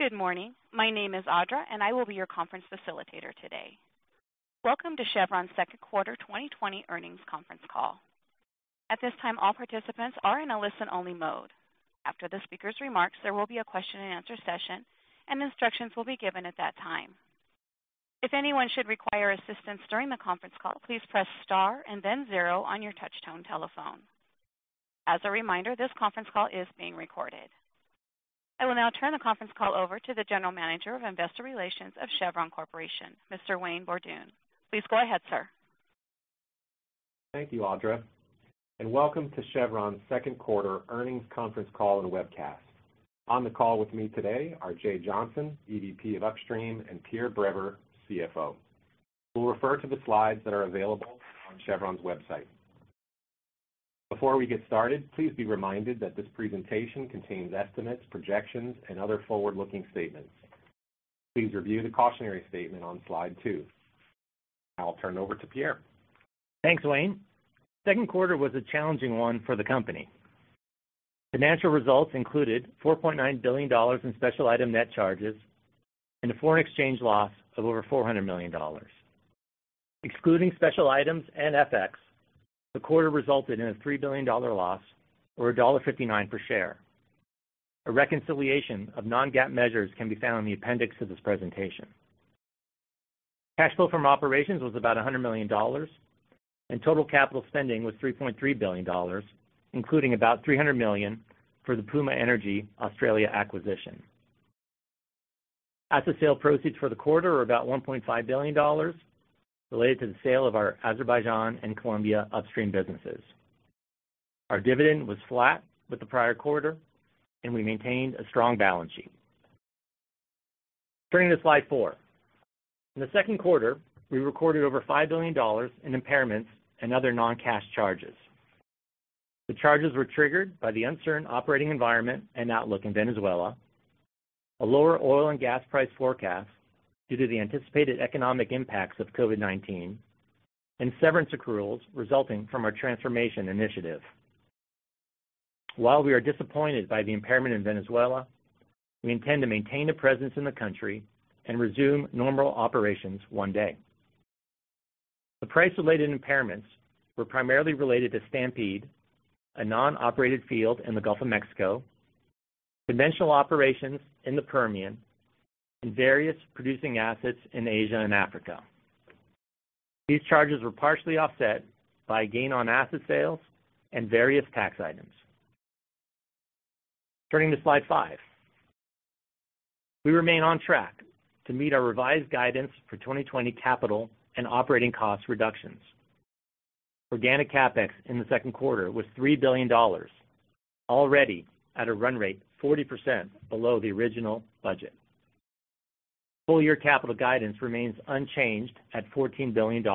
Good morning. My name is Audra, I will be your conference facilitator today. Welcome to Chevron's second quarter 2020 earnings conference call. At this time, all participants are in a listen-only mode. After the speaker's remarks, there will be a question and answer session, instructions will be given at that time. If anyone should require assistance during the conference call, please press star and then zero on your touchtone telephone. As a reminder, this conference call is being recorded. I will now turn the conference call over to the General Manager of Investor Relations of Chevron Corporation, Mr. Wayne Borduin. Please go ahead, sir. Thank you, Audra, and welcome to Chevron's second quarter earnings conference call and webcast. On the call with me today are Jay Johnson, Executive Vice President of Upstream, and Pierre Breber, Chief Financial Officer. We'll refer to the slides that are available on Chevron's website. Before we get started, please be reminded that this presentation contains estimates, projections, and other forward-looking statements. Please review the cautionary statement on slide two. I'll turn it over to Pierre. Thanks, Wayne. Second quarter was a challenging one for the company. Financial results included $4.9 billion in special item net charges and a foreign exchange loss of over $400 million. Excluding special items and FX, the quarter resulted in a $3 billion loss or $1.59 per share. A reconciliation of non-GAAP measures can be found in the appendix of this presentation. Cash flow from operations was about $100 million, and total capital spending was $3.3 billion, including about $300 million for the Puma Energy Australia acquisition. Asset sale proceeds for the quarter are about $1.5 billion related to the sale of our Azerbaijan and Colombia upstream businesses. Our dividend was flat with the prior quarter, and we maintained a strong balance sheet. Turning to slide four. In the second quarter, we recorded over $5 billion in impairments and other non-cash charges. The charges were triggered by the uncertain operating environment and outlook in Venezuela, a lower oil and gas price forecast due to the anticipated economic impacts of COVID-19, and severance accruals resulting from our transformation initiative. While we are disappointed by the impairment in Venezuela, we intend to maintain a presence in the country and resume normal operations one day. The price-related impairments were primarily related to Stampede, a non-operated field in the Gulf of Mexico, conventional operations in the Permian, and various producing assets in Asia and Africa. These charges were partially offset by a gain on asset sales and various tax items. Turning to slide five. We remain on track to meet our revised guidance for 2020 capital and operating cost reductions. Organic CapEx in the second quarter was $3 billion, already at a run rate 40% below the original budget. Full-year capital guidance remains unchanged at $14 billion,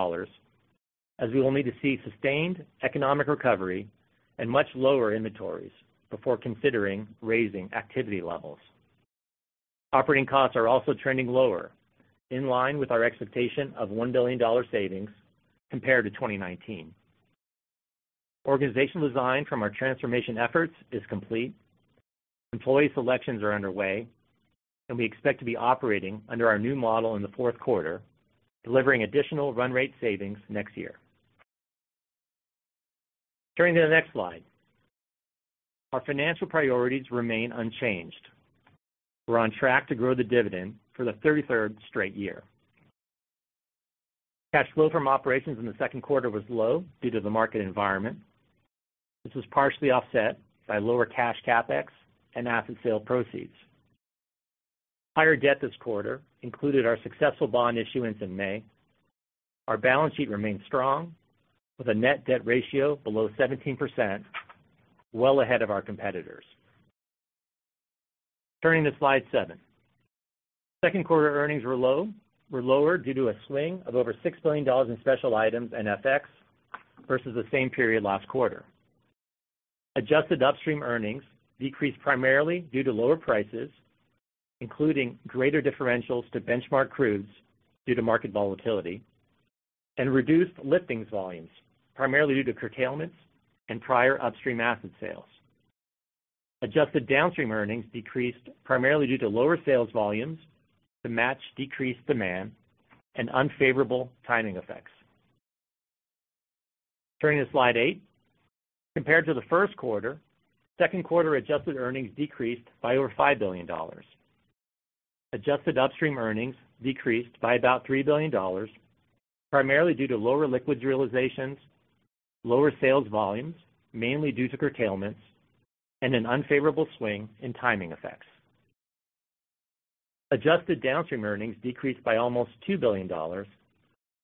as we will need to see sustained economic recovery and much lower inventories before considering raising activity levels. Operating costs are also trending lower, in line with our expectation of $1 billion savings compared to 2019. Organization design from our transformation efforts is complete. Employee selections are underway, and we expect to be operating under our new model in the fourth quarter, delivering additional run rate savings next year. Turning to the next slide. Our financial priorities remain unchanged. We're on track to grow the dividend for the 33rd straight year. Cash flow from operations in the second quarter was low due to the market environment. This was partially offset by lower cash CapEx and asset sale proceeds. Higher debt this quarter included our successful bond issuance in May. Our balance sheet remains strong with a net debt ratio below 17%, well ahead of our competitors. Turning to slide seven. Second quarter earnings were lower due to a swing of over $6 billion in special items and FX versus the same period last quarter. Adjusted upstream earnings decreased primarily due to lower prices, including greater differentials to benchmark crudes due to market volatility, and reduced liftings volumes, primarily due to curtailments and prior upstream asset sales. Adjusted downstream earnings decreased primarily due to lower sales volumes to match decreased demand and unfavorable timing effects. Turning to slide eight. Compared to the first quarter, second quarter adjusted earnings decreased by over $5 billion. Adjusted upstream earnings decreased by about $3 billion, primarily due to lower liquids realizations, lower sales volumes, mainly due to curtailments, and an unfavorable swing in timing effects. Adjusted downstream earnings decreased by almost $2 billion,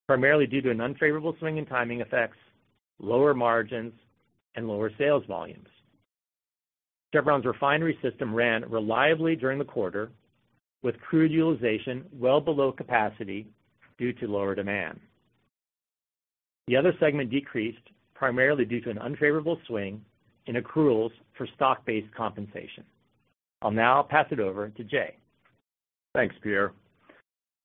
primarily due to an unfavorable swing in timing effects, lower margins, and lower sales volumes. Chevron's refinery system ran reliably during the quarter with crude utilization well below capacity due to lower demand. The other segment decreased primarily due to an unfavorable swing in accruals for stock-based compensation. I'll now pass it over to Jay. Thanks, Pierre.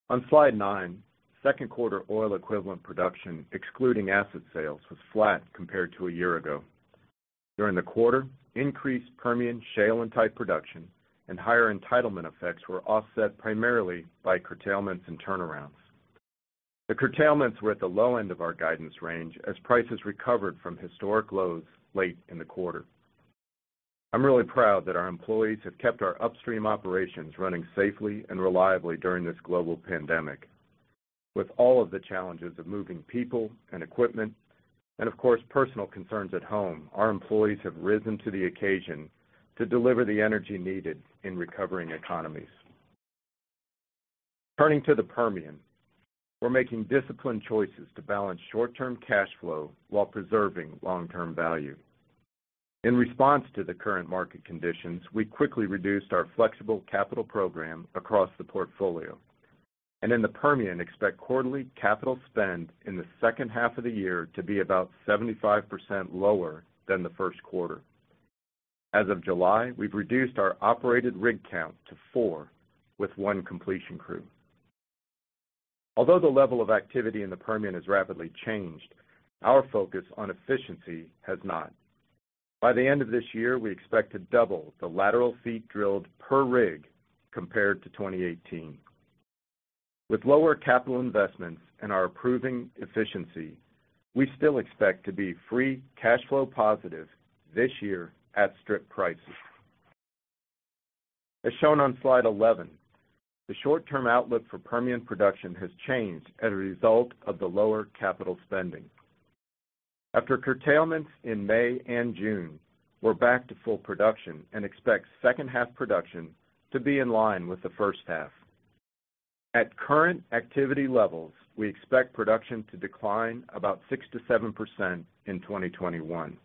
On slide nine, second quarter oil equivalent production, excluding asset sales, was flat compared to a year ago. During the quarter, increased Permian shale and tight production and higher entitlement effects were offset primarily by curtailments and turnarounds. The curtailments were at the low end of our guidance range as prices recovered from historic lows late in the quarter. I'm really proud that our employees have kept our upstream operations running safely and reliably during this global pandemic. With all of the challenges of moving people and equipment, and of course, personal concerns at home, our employees have risen to the occasion to deliver the energy needed in recovering economies. Turning to the Permian, we're making disciplined choices to balance short-term cash flow while preserving long-term value. In response to the current market conditions, we quickly reduced our flexible capital program across the portfolio. In the Permian, expect quarterly capital spend in the second half of the year to be about 75% lower than the first quarter. As of July, we've reduced our operated rig count to four, with one completion crew. Although the level of activity in the Permian has rapidly changed, our focus on efficiency has not. By the end of this year, we expect to double the lateral feet drilled per rig compared to 2018. With lower capital investments and our improving efficiency, we still expect to be free cash flow positive this year at strip prices. As shown on slide 11, the short-term outlook for Permian production has changed as a result of the lower capital spending. After curtailments in May and June, we're back to full production and expect second half production to be in line with the first half. At current activity levels, we expect production to decline about 6%-7% in 2021.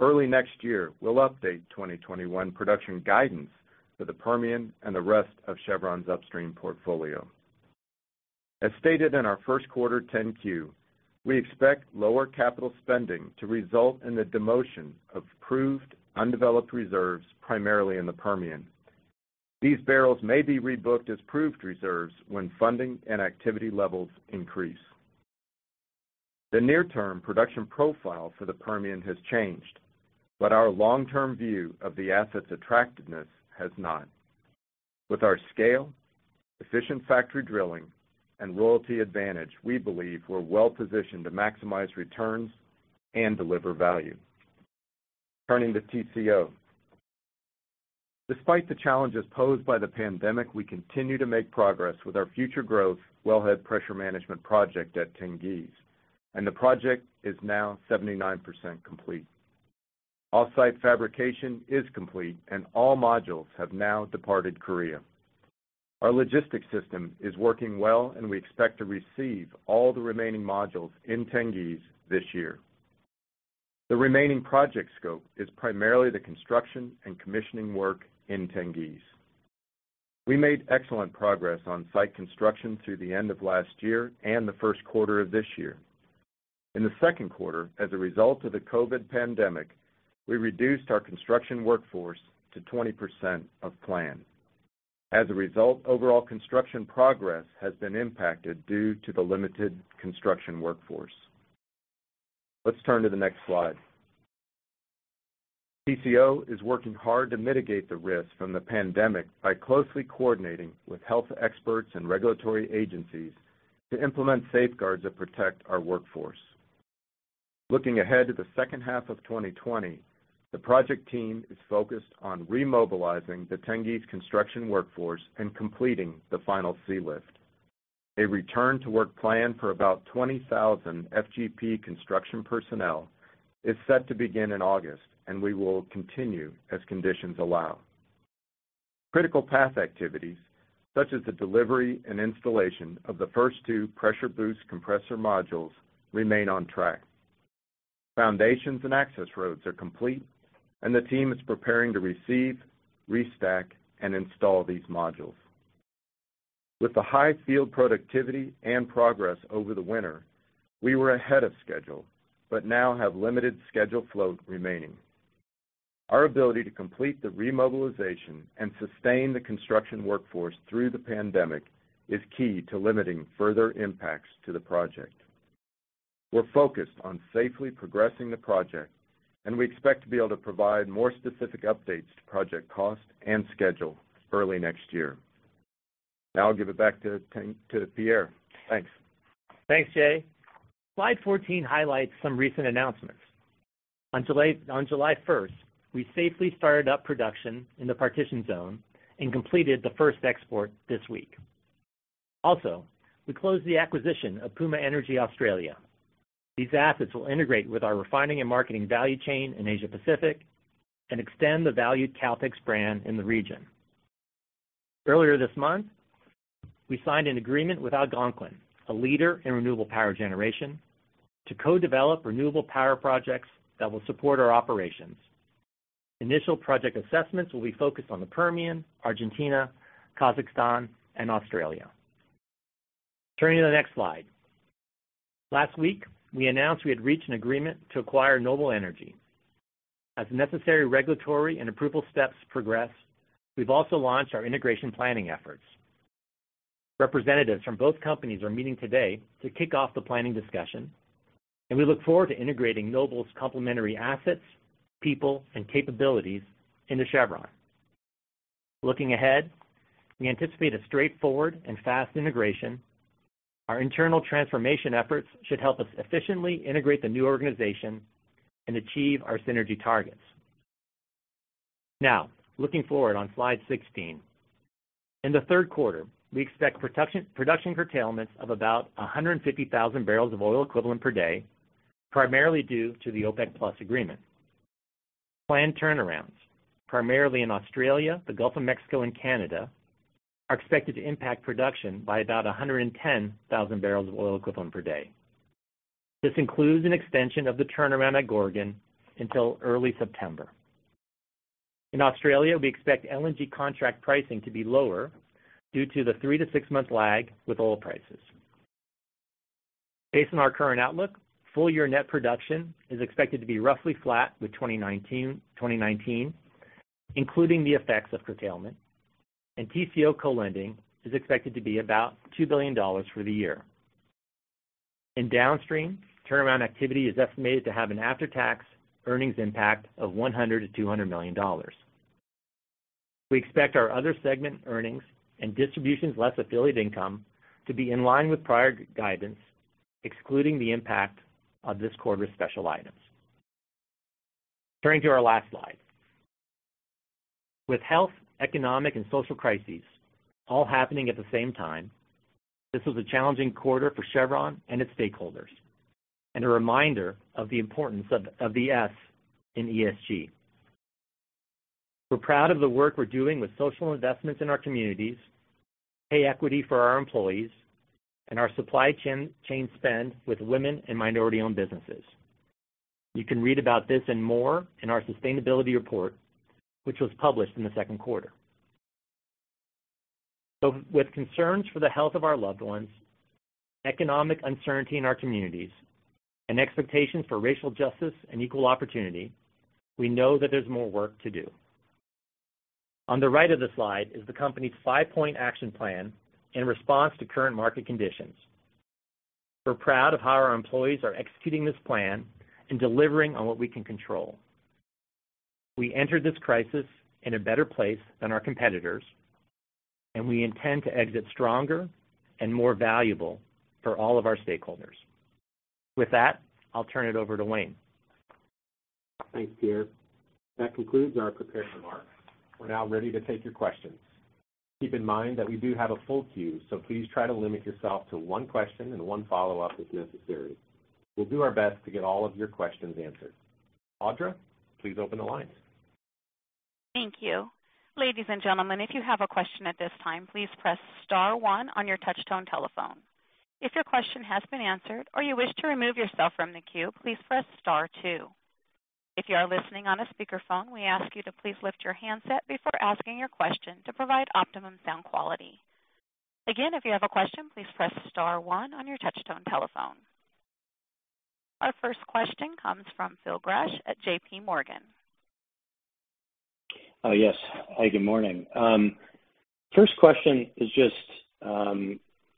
Early next year, we'll update 2021 production guidance for the Permian and the rest of Chevron's upstream portfolio. As stated in our first quarter 10-Q, we expect lower capital spending to result in the demotion of proved undeveloped reserves, primarily in the Permian. These barrels may be rebooked as proved reserves when funding and activity levels increase. The near-term production profile for the Permian has changed, but our long-term view of the asset's attractiveness has not. With our scale, efficient factory drilling, and royalty advantage, we believe we're well-positioned to maximize returns and deliver value. Turning to TCO. Despite the challenges posed by the pandemic, we continue to make progress with our Future Growth Wellhead Pressure Management Project at Tengiz, and the project is now 79% complete. Off-site fabrication is complete and all modules have now departed Korea. Our logistics system is working well, and we expect to receive all the remaining modules in Tengiz this year. The remaining project scope is primarily the construction and commissioning work in Tengiz. We made excellent progress on site construction through the end of last year and the first quarter of this year. In the second quarter, as a result of the COVID pandemic, we reduced our construction workforce to 20% of plan. As a result, overall construction progress has been impacted due to the limited construction workforce. Let's turn to the next slide. TCO is working hard to mitigate the risk from the pandemic by closely coordinating with health experts and regulatory agencies to implement safeguards that protect our workforce. Looking ahead to the second half of 2020, the project team is focused on remobilizing the Tengiz construction workforce and completing the final sealift. A return to work plan for about 20,000 FGP construction personnel is set to begin in August, and we will continue as conditions allow. Critical path activities, such as the delivery and installation of the first two pressure boost compressor modules remain on track. Foundations and access roads are complete, and the team is preparing to receive, restack, and install these modules. With the high field productivity and progress over the winter, we were ahead of schedule, but now have limited schedule float remaining. Our ability to complete the remobilization and sustain the construction workforce through the pandemic is key to limiting further impacts to the project. We're focused on safely progressing the project, and we expect to be able to provide more specific updates to project cost and schedule early next year. I'll give it back to Pierre. Thanks. Thanks, Jay. Slide 14 highlights some recent announcements. On July 1st, we safely started up production in the Partitioned Zone and completed the first export this week. We closed the acquisition of Puma Energy Australia. These assets will integrate with our refining and marketing value chain in Asia Pacific and extend the valued Caltex brand in the region. Earlier this month, we signed an agreement with Algonquin, a leader in renewable power generation, to co-develop renewable power projects that will support our operations. Initial project assessments will be focused on the Permian, Argentina, Kazakhstan, and Australia. Turning to the next slide. Last week, we announced we had reached an agreement to acquire Noble Energy. As necessary regulatory and approval steps progress, we've also launched our integration planning efforts. Representatives from both companies are meeting today to kick off the planning discussion, we look forward to integrating Noble's complementary assets, people, and capabilities into Chevron. Looking ahead, we anticipate a straightforward and fast integration. Our internal transformation efforts should help us efficiently integrate the new organization and achieve our synergy targets. Looking forward on slide 16. In the third quarter, we expect production curtailments of about 150,000 bbl of oil equivalent per day, primarily due to the OPEC+ agreement. Planned turnarounds, primarily in Australia, the Gulf of Mexico, and Canada, are expected to impact production by about 110,000 bbl of oil equivalent per day. This includes an extension of the turnaround at Gorgon until early September. In Australia, we expect LNG contract pricing to be lower due to the three to six month lag with oil prices. Based on our current outlook, full-year net production is expected to be roughly flat with 2019, including the effects of curtailment, and TCO co-lending is expected to be about $2 billion for the year. In downstream, turnaround activity is estimated to have an after-tax earnings impact of $100 million-$200 million. We expect our other segment earnings and distributions less affiliate income to be in line with prior guidance, excluding the impact of this quarter's special items. Turning to our last slide. With health, economic, and social crises all happening at the same time, this was a challenging quarter for Chevron and its stakeholders, and a reminder of the importance of the S in ESG. We're proud of the work we're doing with social investments in our communities, pay equity for our employees, and our supply chain spend with women and minority-owned businesses. You can read about this and more in our sustainability report, which was published in the second quarter. With concerns for the health of our loved ones, economic uncertainty in our communities, and expectations for racial justice and equal opportunity, we know that there's more work to do. On the right of the slide is the company's five-point action plan in response to current market conditions. We're proud of how our employees are executing this plan and delivering on what we can control. We entered this crisis in a better place than our competitors, and we intend to exit stronger and more valuable for all of our stakeholders. With that, I'll turn it over to Wayne. Thanks, Pierre. That concludes our prepared remarks. We're now ready to take your questions. Keep in mind that we do have a full queue, so please try to limit yourself to one question and one follow-up if necessary. We'll do our best to get all of your questions answered. Audra, please open the lines. Thank you. Ladies and gentlemen, if you have a question at this time, please press star one on your touch-tone telephone. If your question has been answered or you wish to remove yourself from the queue, please press star two. If you are listening on a speakerphone, we ask you to please lift your handset before asking your question to provide optimum sound quality. Again, if you have a question, please press star one on your touch-tone telephone. Our first question comes from Phil Gresh at JPMorgan. Yes. Hi, good morning. First question is just kind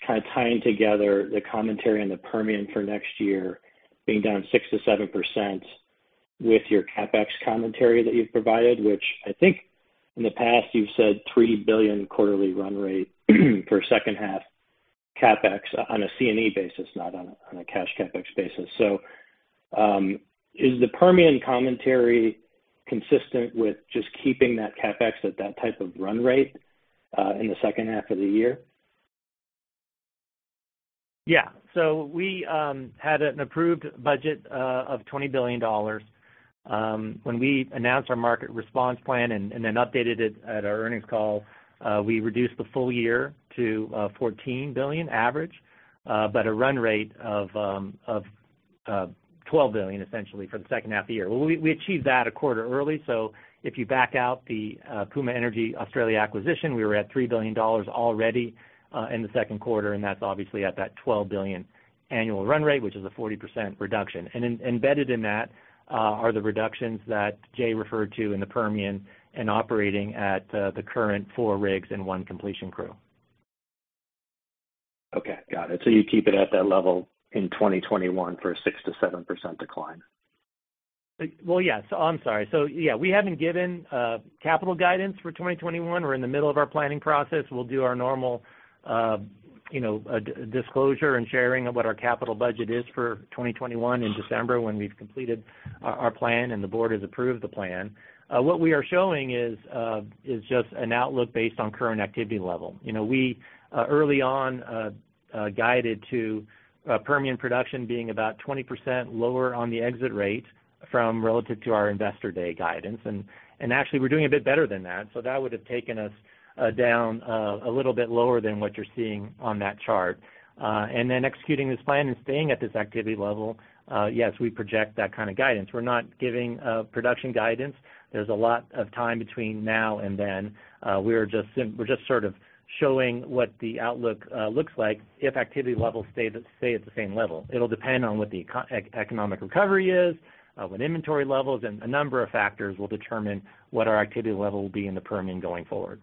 of tying together the commentary on the Permian for next year being down 6%-7% with your CapEx commentary that you've provided, which I think in the past you've said $3 billion quarterly run rate for second half CapEx on a C&E basis, not on a cash CapEx basis. Is the Permian commentary consistent with just keeping that CapEx at that type of run rate in the second half of the year? Yeah. We had an approved budget of $20 billion. When we announced our market response plan and then updated it at our earnings call, we reduced the full year to $14 billion average, but a run rate of $12 billion essentially for the second half of the year. We achieved that a quarter early, so if you back out the Puma Energy Australia acquisition, we were at $3 billion already in the second quarter, and that's obviously at that $12 billion annual run rate, which is a 40% reduction. Embedded in that are the reductions that Jay referred to in the Permian and operating at the current four rigs and one completion crew. Okay, got it. You keep it at that level in 2021 for a 6%-7% decline. Well, yes. I'm sorry. Yeah, we haven't given capital guidance for 2021. We're in the middle of our planning process. We'll do our normal disclosure and sharing of what our capital budget is for 2021 in December when we've completed our plan and the board has approved the plan. What we are showing is just an outlook based on current activity level. We early on guided to Permian production being about 20% lower on the exit rate from relative to our investor day guidance. Actually, we're doing a bit better than that. That would've taken us down a little bit lower than what you're seeing on that chart. Executing this plan and staying at this activity level, yes, we project that kind of guidance. We're not giving production guidance. There's a lot of time between now and then. We're just sort of showing what the outlook looks like if activity levels stay at the same level. It'll depend on what the economic recovery is, what inventory levels, and a number of factors will determine what our activity level will be in the Permian going forward.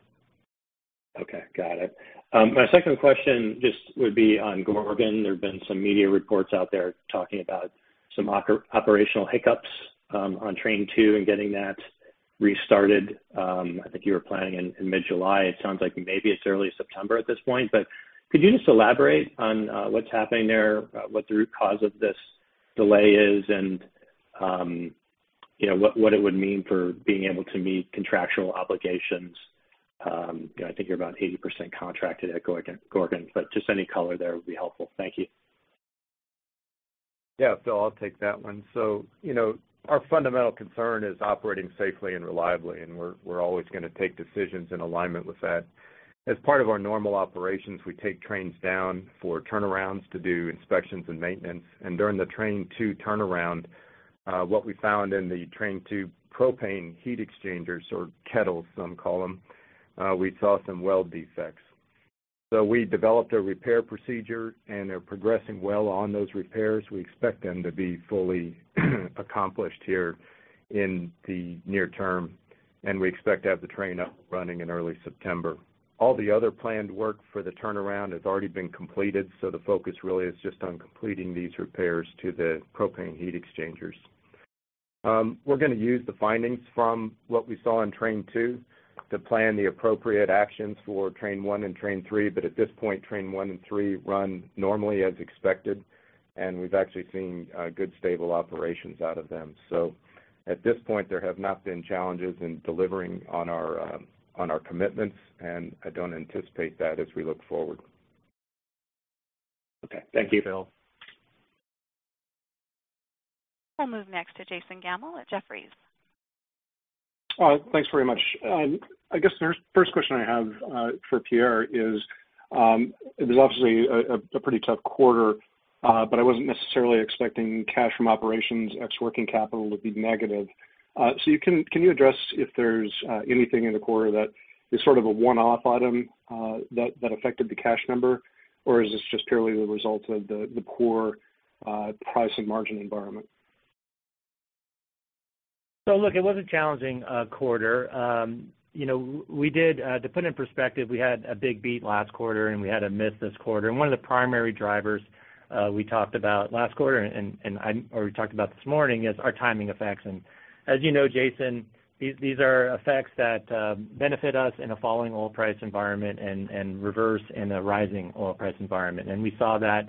Okay. Got it. My second question just would be on Gorgon. There have been some media reports out there talking about some operational hiccups on Train 2 and getting that restarted. I think you were planning in mid-July. It sounds like maybe it's early September at this point, but could you just elaborate on what's happening there, what the root cause of this delay is, and what it would mean for being able to meet contractual obligations? I think you're about 80% contracted at Gorgon, but just any color there would be helpful. Thank you. Yeah. Phil, I'll take that one. Our fundamental concern is operating safely and reliably, and we're always going to take decisions in alignment with that. As part of our normal operations, we take trains down for turnarounds to do inspections and maintenance. During the Train 2 turnaround, what we found in the Train 2 propane heat exchangers, or kettles, some call them, we saw some weld defects. We developed a repair procedure, and they're progressing well on those repairs. We expect them to be fully accomplished here in the near term, and we expect to have the train up running in early September. All the other planned work for the turnaround has already been completed, the focus really is just on completing these repairs to the propane heat exchangers. We're going to use the findings from what we saw in Train 2 to plan the appropriate actions for Train 1 and Train 3. At this point, Train 1 and Train 3 run normally as expected, and we've actually seen good stable operations out of them. At this point, there have not been challenges in delivering on our commitments, and I don't anticipate that as we look forward. Okay. Thank you, Phil. We'll move next to Jason Gammel at Jefferies. Thanks very much. I guess the first question I have for Pierre is, it was obviously a pretty tough quarter, but I wasn't necessarily expecting cash from operations ex working capital to be negative. Can you address if there's anything in the quarter that is sort of a one-off item that affected the cash number? Or is this just purely the result of the poor price and margin environment? Look, it was a challenging quarter. To put it in perspective, we had a big beat last quarter, we had a miss this quarter. One of the primary drivers we talked about last quarter, or we talked about this morning, is our timing effects. As you know, Jason, these are effects that benefit us in a falling oil price environment and reverse in a rising oil price environment. We saw that,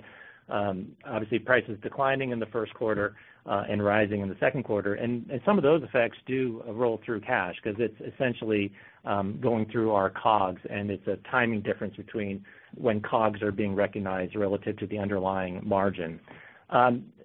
obviously prices declining in the first quarter and rising in the second quarter. Some of those effects do roll through cash because it's essentially going through our COGS, and it's a timing difference between when COGS are being recognized relative to the underlying margin.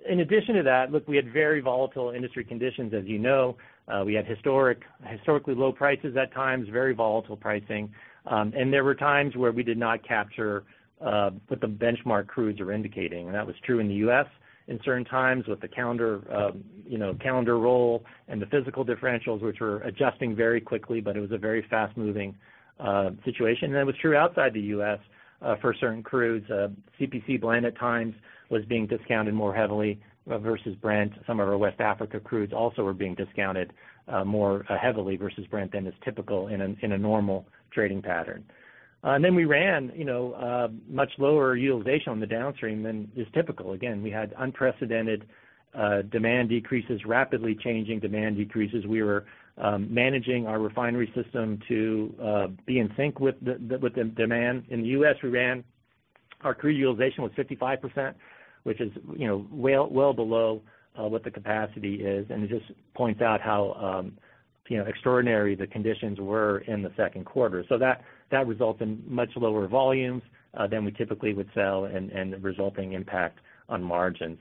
In addition to that, look, we had very volatile industry conditions, as you know. We had historically low prices at times, very volatile pricing. There were times where we did not capture what the benchmark crudes are indicating. That was true in the U.S. in certain times with the calendar roll and the physical differentials, which were adjusting very quickly, but it was a very fast-moving situation. That was true outside the U.S. for certain crudes. CPC Blend at times was being discounted more heavily versus Brent. Some of our West Africa crudes also were being discounted more heavily versus Brent than is typical in a normal trading pattern. Then we ran much lower utilization on the downstream than is typical. Again, we had unprecedented demand decreases, rapidly changing demand decreases. We were managing our refinery system to be in sync with the demand. In the U.S., we ran our crude utilization was 55%, which is well below what the capacity is, and it just points out how extraordinary the conditions were in the second quarter. That results in much lower volumes than we typically would sell and the resulting impact on margins.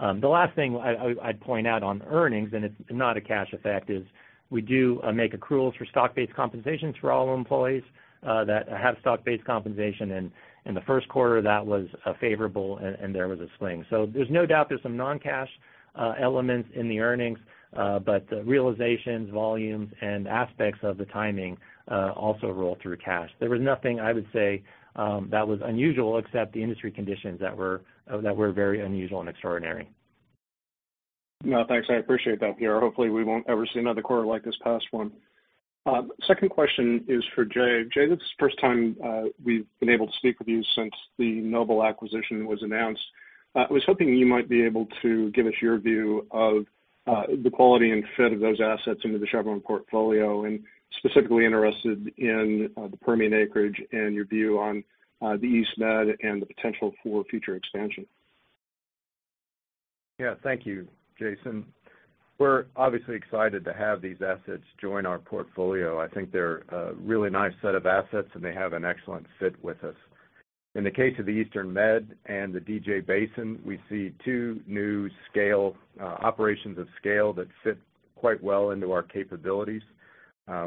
The last thing I'd point out on earnings, and it's not a cash effect, is we do make accruals for stock-based compensation for all employees that have stock-based compensation. In the first quarter, that was favorable and there was a swing. There's no doubt there's some non-cash elements in the earnings. The realizations, volumes, and aspects of the timing also roll through cash. There was nothing I would say that was unusual except the industry conditions that were very unusual and extraordinary. No, thanks. I appreciate that, Pierre. Hopefully, we won't ever see another quarter like this past one. Second question is for Jay. Jay, this is the first time we've been able to speak with you since the Noble acquisition was announced. I was hoping you might be able to give us your view of the quality and fit of those assets into the Chevron portfolio. Specifically interested in the Permian acreage and your view on the East Med and the potential for future expansion. Thank you, Jason. We're obviously excited to have these assets join our portfolio. I think they're a really nice set of assets, and they have an excellent fit with us. In the case of the Eastern Med and the DJ Basin, we see two new operations of scale that fit quite well into our capabilities.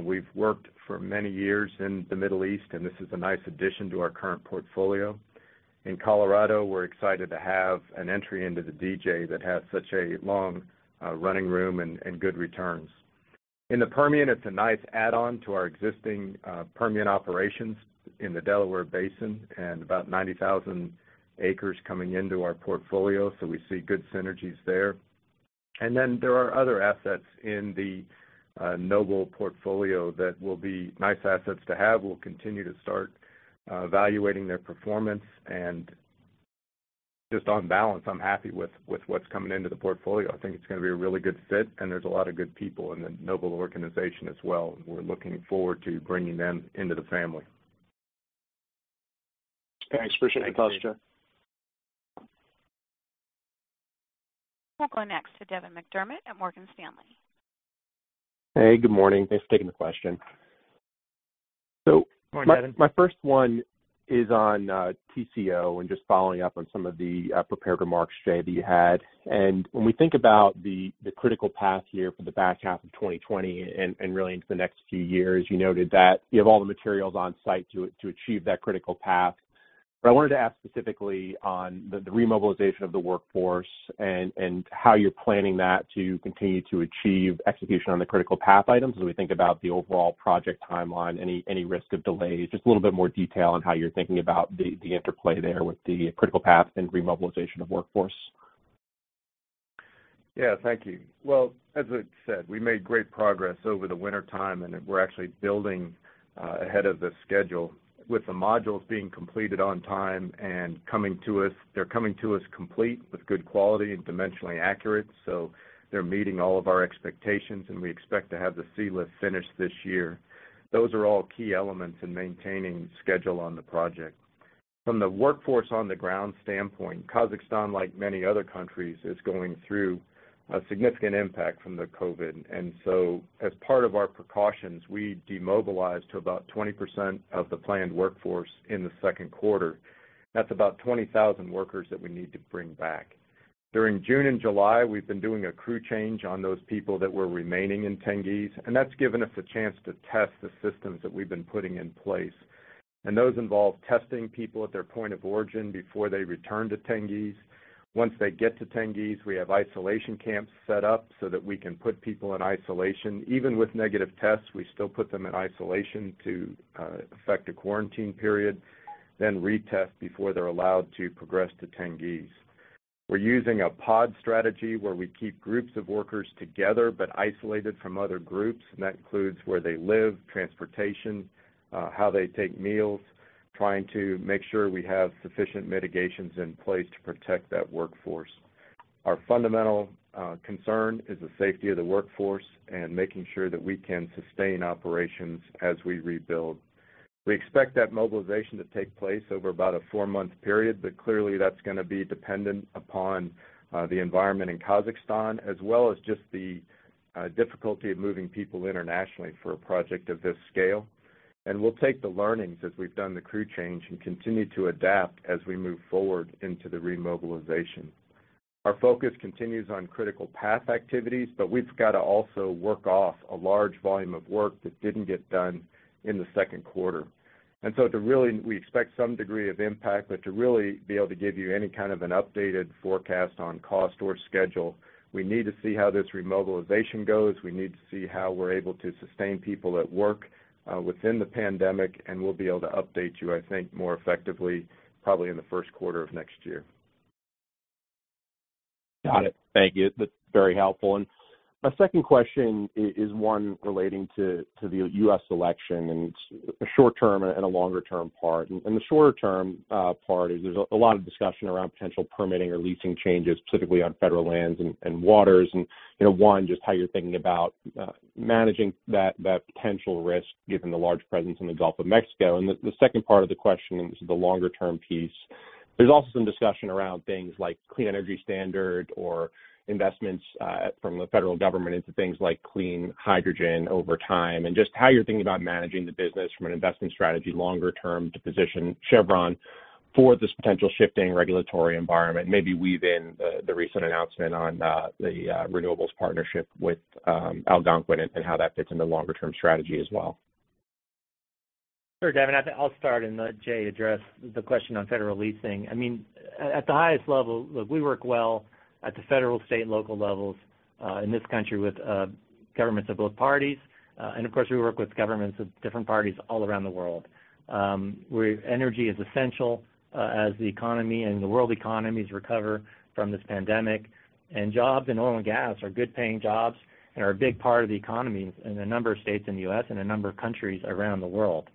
We've worked for many years in the Middle East, and this is a nice addition to our current portfolio. In Colorado, we're excited to have an entry into the DJ that has such a long running room and good returns. In the Permian, it's a nice add-on to our existing Permian operations in the Delaware Basin and about 90,000 acres coming into our portfolio. We see good synergies there. There are other assets in the Noble portfolio that will be nice assets to have. We'll continue to start evaluating their performance. Just on balance, I'm happy with what's coming into the portfolio. I think it's going to be a really good fit. There's a lot of good people in the Noble organization as well. We're looking forward to bringing them into the family. Thanks. Appreciate the posture. We'll go next to Devin McDermott at Morgan Stanley. Hey, good morning. Thanks for taking the question. Good morning, Devin. My first one is on TCO, and just following up on some of the prepared remarks, Jay, that you had. When we think about the critical path here for the back half of 2020 and really into the next few years, you noted that you have all the materials on site to achieve that critical path. I wanted to ask specifically on the remobilization of the workforce and how you're planning that to continue to achieve execution on the critical path items. As we think about the overall project timeline, any risk of delays? Just a little bit more detail on how you're thinking about the interplay there with the critical path and remobilization of workforce. Yeah. Thank you. Well, as I said, we made great progress over the wintertime. We're actually building ahead of the schedule with the modules being completed on time and coming to us. They're coming to us complete with good quality and dimensionally accurate. They're meeting all of our expectations, and we expect to have the sealift finished this year. Those are all key elements in maintaining schedule on the project. From the workforce on the ground standpoint, Kazakhstan, like many other countries, is going through a significant impact from the COVID. As part of our precautions, we demobilized to about 20% of the planned workforce in the second quarter. That's about 20,000 workers that we need to bring back. During June and July, we've been doing a crew change on those people that were remaining in Tengiz, and that's given us a chance to test the systems that we've been putting in place. Those involve testing people at their point of origin before they return to Tengiz. Once they get to Tengiz, we have isolation camps set up so that we can put people in isolation. Even with negative tests, we still put them in isolation to affect a quarantine period, then retest before they're allowed to progress to Tengiz. We're using a pod strategy where we keep groups of workers together but isolated from other groups, and that includes where they live, transportation, how they take meals, trying to make sure we have sufficient mitigations in place to protect that workforce. Our fundamental concern is the safety of the workforce and making sure that we can sustain operations as we rebuild. We expect that mobilization to take place over about a four-month period, but clearly that's going to be dependent upon the environment in Kazakhstan, as well as just the difficulty of moving people internationally for a project of this scale. We will take the learnings as we've done the crew change and continue to adapt as we move forward into the remobilization. Our focus continues on critical path activities, but we've got to also work off a large volume of work that didn't get done in the second quarter. We expect some degree of impact, but to really be able to give you any kind of an updated forecast on cost or schedule, we need to see how this remobilization goes. We need to see how we're able to sustain people at work within the pandemic, and we'll be able to update you, I think, more effectively, probably in the first quarter of next year. Got it. Thank you. That's very helpful. My second question is one relating to the U.S. election, and it's a short-term and a longer-term part. In the shorter-term part is there's a lot of discussion around potential permitting or leasing changes, specifically on federal lands and waters. One, just how you're thinking about managing that potential risk given the large presence in the Gulf of Mexico. The second part of the question, and this is the longer-term piece, there's also some discussion around things like clean energy standard or investments from the federal government into things like clean hydrogen over time, and just how you're thinking about managing the business from an investment strategy longer term to position Chevron for this potential shifting regulatory environment. Maybe weave in the recent announcement on the renewables partnership with Algonquin and how that fits into longer-term strategy as well. Sure, Devin. I'll start and let Jay address the question on federal leasing. At the highest level, look, we work well at the federal, state, and local levels, in this country with governments of both parties. Of course, we work with governments of different parties all around the world, where energy is essential as the economy and the world economies recover from this pandemic, and jobs in oil and gas are good-paying jobs and are a big part of the economy in a number of states in the U.S. and a number of countries around the world.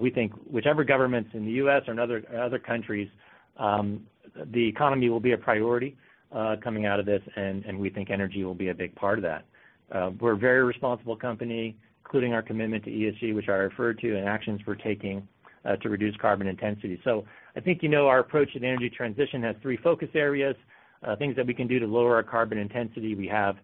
We think whichever governments in the U.S. or in other countries, the economy will be a priority coming out of this, and we think energy will be a big part of that. We're a very responsible company, including our commitment to ESG, which I referred to, and actions we're taking to reduce carbon intensity. I think you know our approach to the energy transition has three focus areas, things that we can do to lower our carbon intensity. We have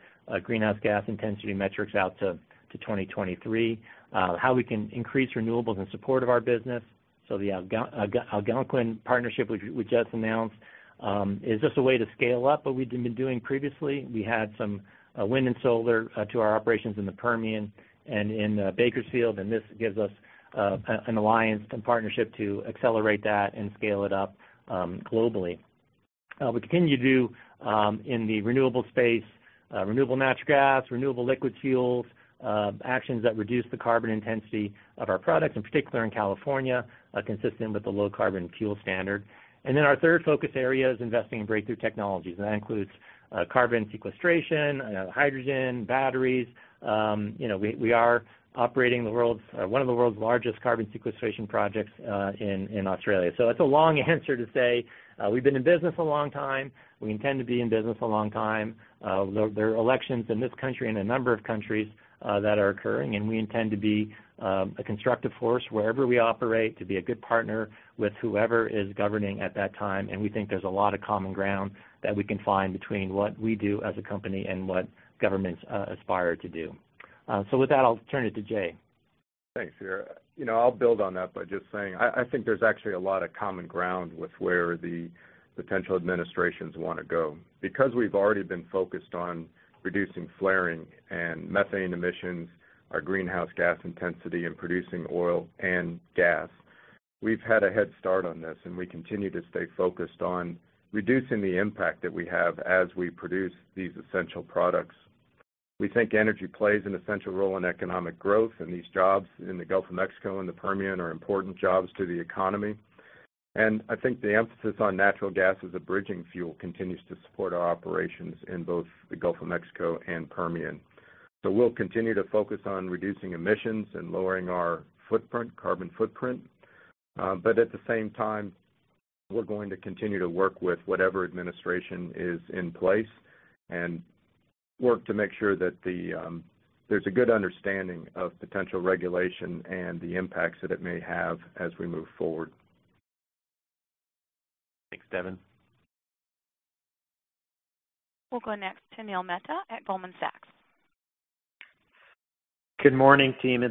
greenhouse gas intensity metrics out to 2023. How we can increase renewables in support of our business, so the Algonquin partnership we just announced is just a way to scale up what we've been doing previously. We had some wind and solar to our operations in the Permian and in Bakersfield, and this gives us an alliance and partnership to accelerate that and scale it up globally. We continue to do in the renewable space, renewable natural gas, renewable liquid fuels, actions that reduce the carbon intensity of our products, in particular in California, consistent with the Low-Carbon Fuel Standard. Our third focus area is investing in breakthrough technologies, and that includes carbon sequestration, hydrogen, batteries. We are operating one of the world's largest carbon sequestration projects in Australia. It's a long answer to say we've been in business a long time. We intend to be in business a long time. There are elections in this country and a number of countries that are occurring, and we intend to be a constructive force wherever we operate, to be a good partner with whoever is governing at that time. We think there's a lot of common ground that we can find between what we do as a company and what governments aspire to do. With that, I'll turn it to Jay. Thanks, Pierre. I'll build on that by just saying, I think there's actually a lot of common ground with where the potential administrations want to go. We've already been focused on reducing flaring and methane emissions, our greenhouse gas intensity in producing oil and gas, we've had a head start on this, and we continue to stay focused on reducing the impact that we have as we produce these essential products. We think energy plays an essential role in economic growth, and these jobs in the Gulf of Mexico and the Permian are important jobs to the economy. I think the emphasis on natural gas as a bridging fuel continues to support our operations in both the Gulf of Mexico and Permian. We'll continue to focus on reducing emissions and lowering our carbon footprint. At the same time, we're going to continue to work with whatever administration is in place and work to make sure that there's a good understanding of potential regulation and the impacts that it may have as we move forward. Thanks, Devin. We'll go next to Neil Mehta at Goldman Sachs. Good morning, team.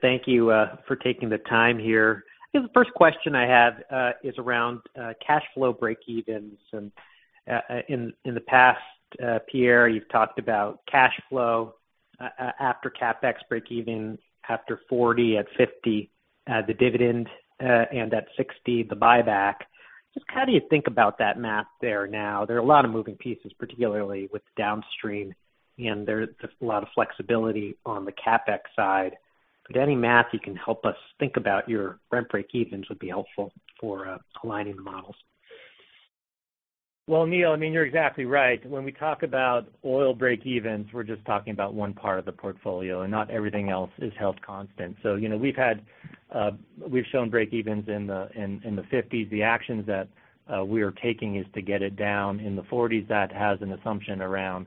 Thank you for taking the time here. I guess the first question I have is around cash flow breakevens. In the past, Pierre, you've talked about cash flow after CapEx break even after $40, at $50, the dividend, at $60, the buyback. Just how do you think about that math there now? There are a lot of moving pieces, particularly with downstream, and there's a lot of flexibility on the CapEx side. Any math you can help us think about your breakevens would be helpful for aligning the models. Well, Neil, you're exactly right. When we talk about oil breakevens, we're just talking about one part of the portfolio, and not everything else is held constant. We've shown breakevens in the $50s. The actions that we are taking is to get it down in the $40s. That has an assumption around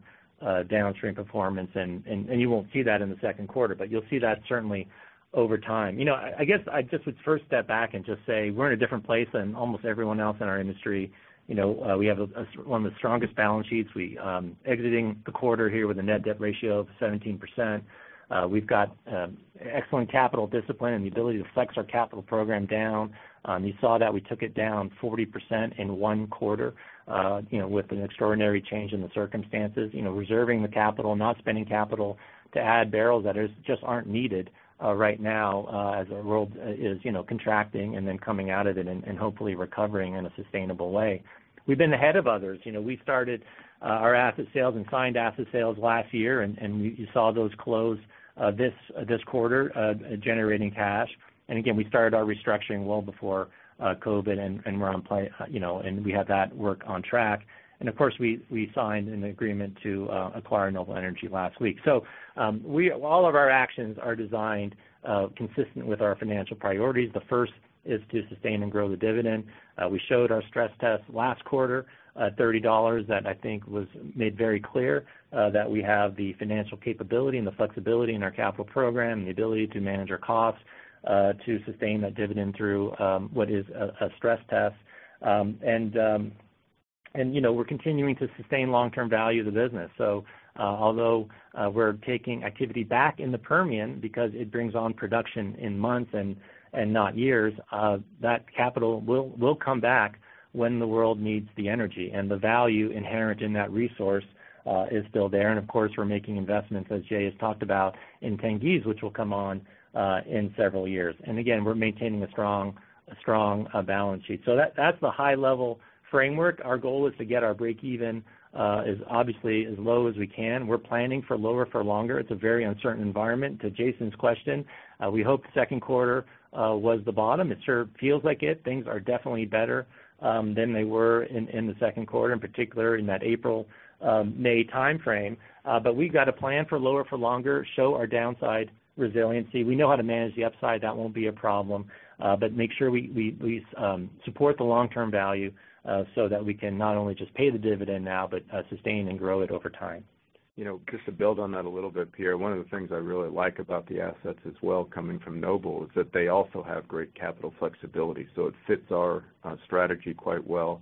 downstream performance. You won't see that in the second quarter, but you'll see that certainly over time. I guess I just would first step back and just say we're in a different place than almost everyone else in our industry. We have one of the strongest balance sheets. Exiting the quarter here with a net debt ratio of 17%. We've got excellent capital discipline and the ability to flex our capital program down. You saw that we took it down 40% in one quarter with an extraordinary change in the circumstances. Reserving the capital, not spending capital to add barrels that just aren't needed right now as the world is contracting and then coming out of it and hopefully recovering in a sustainable way. We've been ahead of others. We started our asset sales and signed asset sales last year, and you saw those close this quarter, generating cash. Again, we started our restructuring well before COVID, and we had that work on track. Of course, we signed an agreement to acquire Noble Energy last week. All of our actions are designed consistent with our financial priorities. The first is to sustain and grow the dividend. We showed our stress test last quarter at $30. I think, was made very clear that we have the financial capability and the flexibility in our capital program and the ability to manage our costs to sustain that dividend through what is a stress test. We're continuing to sustain long-term value of the business. Although we're taking activity back in the Permian because it brings on production in months and not years, that capital will come back when the world needs the energy, and the value inherent in that resource is still there. Of course, we're making investments, as Jay has talked about, in Tengiz, which will come on in several years. Again, we're maintaining a strong balance sheet. That's the high-level framework. Our goal is to get our break even obviously as low as we can. We're planning for lower for longer. It's a very uncertain environment. To Jason's question, we hope the second quarter was the bottom. It sure feels like it. Things are definitely better than they were in the second quarter, in particular in that April-May timeframe. We've got a plan for lower for longer, show our downside resiliency. We know how to manage the upside. That won't be a problem. Make sure we support the long-term value so that we can not only just pay the dividend now, but sustain and grow it over time. Just to build on that a little bit, Pierre, one of the things I really like about the assets as well coming from Noble is that they also have great capital flexibility. It fits our strategy quite well.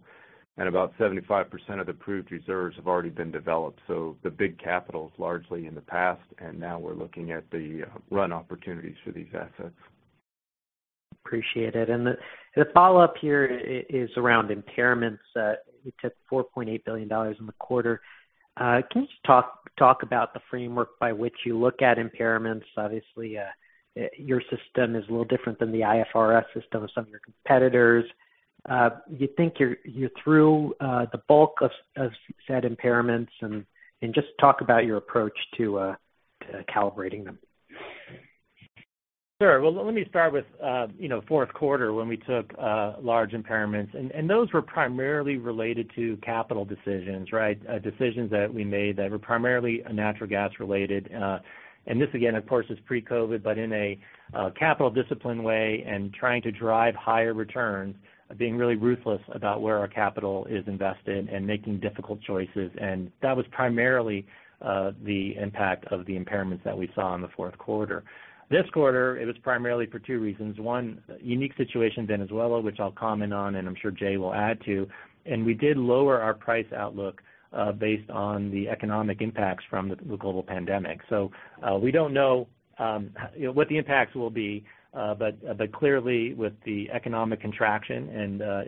About 75% of the proved reserves have already been developed. The big capital is largely in the past, and now we're looking at the run opportunities for these assets. Appreciate it. The follow-up here is around impairments. You took $4.8 billion in the quarter. Can you just talk about the framework by which you look at impairments? Obviously, your system is a little different than the IFRS system of some of your competitors. You think you're through the bulk of said impairments, and just talk about your approach to calibrating them. Sure. Well, let me start with fourth quarter when we took large impairments. Those were primarily related to capital decisions. Decisions that we made that were primarily natural gas-related. This again, of course, is pre-COVID, but in a capital discipline way and trying to drive higher returns, being really ruthless about where our capital is invested and making difficult choices. That was primarily the impact of the impairments that we saw in the fourth quarter. This quarter, it was primarily for two reasons. One, unique situation, Venezuela, which I'll comment on, and I'm sure Jay will add to. We did lower our price outlook based on the economic impacts from the global pandemic. We don't know what the impacts will be. With the economic contraction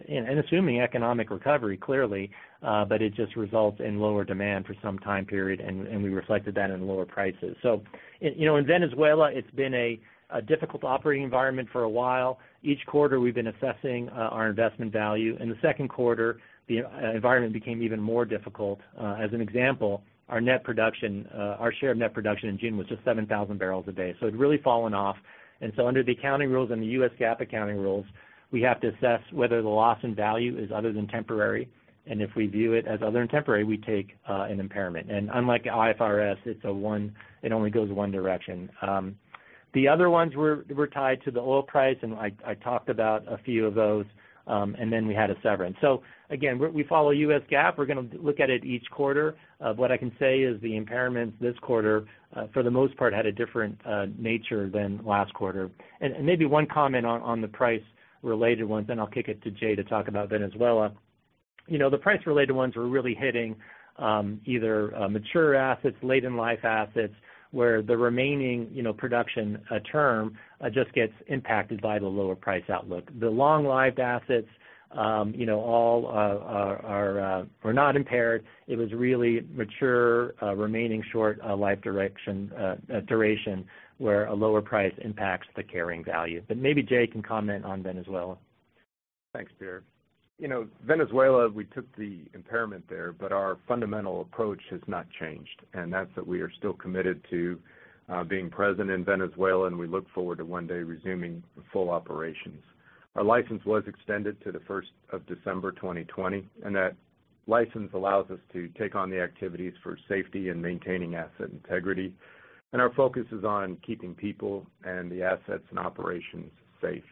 and assuming economic recovery, it just results in lower demand for some time period, and we reflected that in lower prices. In Venezuela, it's been a difficult operating environment for a while. Each quarter we've been assessing our investment value. In the second quarter, the environment became even more difficult. As an example, our share of net production in June was just 7,000 bbl a day. It'd really fallen off. Under the accounting rules and the U.S. GAAP accounting rules, we have to assess whether the loss in value is other than temporary. If we view it as other than temporary, we take an impairment. Unlike IFRS, it only goes one direction. The other ones were tied to the oil price, and I talked about a few of those. We had a severance. Again, we follow U.S. GAAP. We're going to look at it each quarter. What I can say is the impairments this quarter, for the most part, had a different nature than last quarter. Maybe one comment on the price-related ones, then I'll kick it to Jay to talk about Venezuela. The price-related ones were really hitting either mature assets, late-in-life assets, where the remaining production term just gets impacted by the lower price outlook. The long-lived assets were not impaired. It was really mature, remaining short life duration, where a lower price impacts the carrying value. Maybe Jay can comment on Venezuela. Thanks, Pierre. Venezuela, we took the impairment there, but our fundamental approach has not changed, and that's that we are still committed to being present in Venezuela, and we look forward to one day resuming full operations. Our license was extended to the 1st of December 2020, and that license allows us to take on the activities for safety and maintaining asset integrity. Our focus is on keeping people and the assets and operations safe.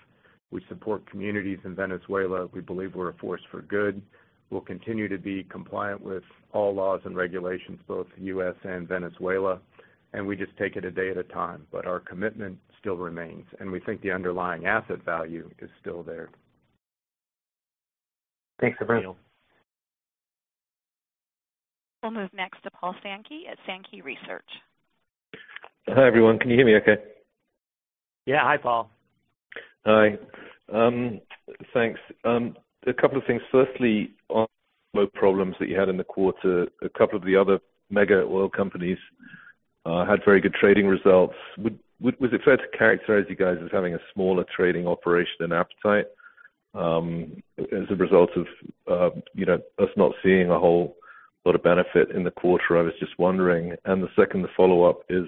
We support communities in Venezuela. We believe we're a force for good. We'll continue to be compliant with all laws and regulations, both U.S. and Venezuela, and we just take it a day at a time. Our commitment still remains, and we think the underlying asset value is still there. Thanks, everyone. We'll move next to Paul Sankey at Sankey Research. Hi, everyone. Can you hear me okay? Yeah. Hi, Paul. Hi. Thanks. A couple of things. Firstly, on flow problems that you had in the quarter, a couple of the other mega oil companies had very good trading results. Would it be fair to characterize you guys as having a smaller trading operation and appetite as a result of us not seeing a whole lot of benefit in the quarter? I was just wondering. The second follow-up is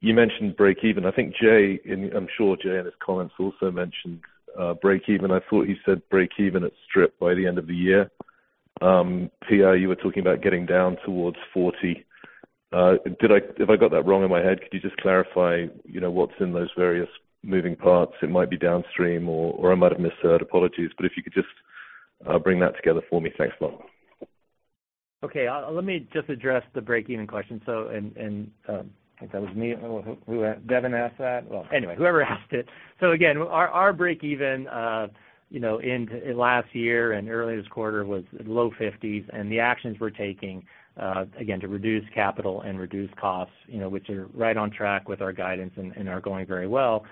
you mentioned breakeven. I'm sure Jay in his comments also mentioned breakeven. I thought you said breakeven at strip by the end of the year. Pierre, you were talking about getting down towards $40. If I got that wrong in my head, could you just clarify what's in those various moving parts? It might be downstream or I might have misheard. Apologies, if you could just bring that together for me. Thanks a lot. Okay. Let me just address the breakeven question. I think that was me. Devin asked that? Well, anyway, whoever asked it. Again, our breakeven in last year and early this quarter was low 50s, and the actions we're taking, again, to reduce capital and reduce costs which are right on track with our guidance and are going very well.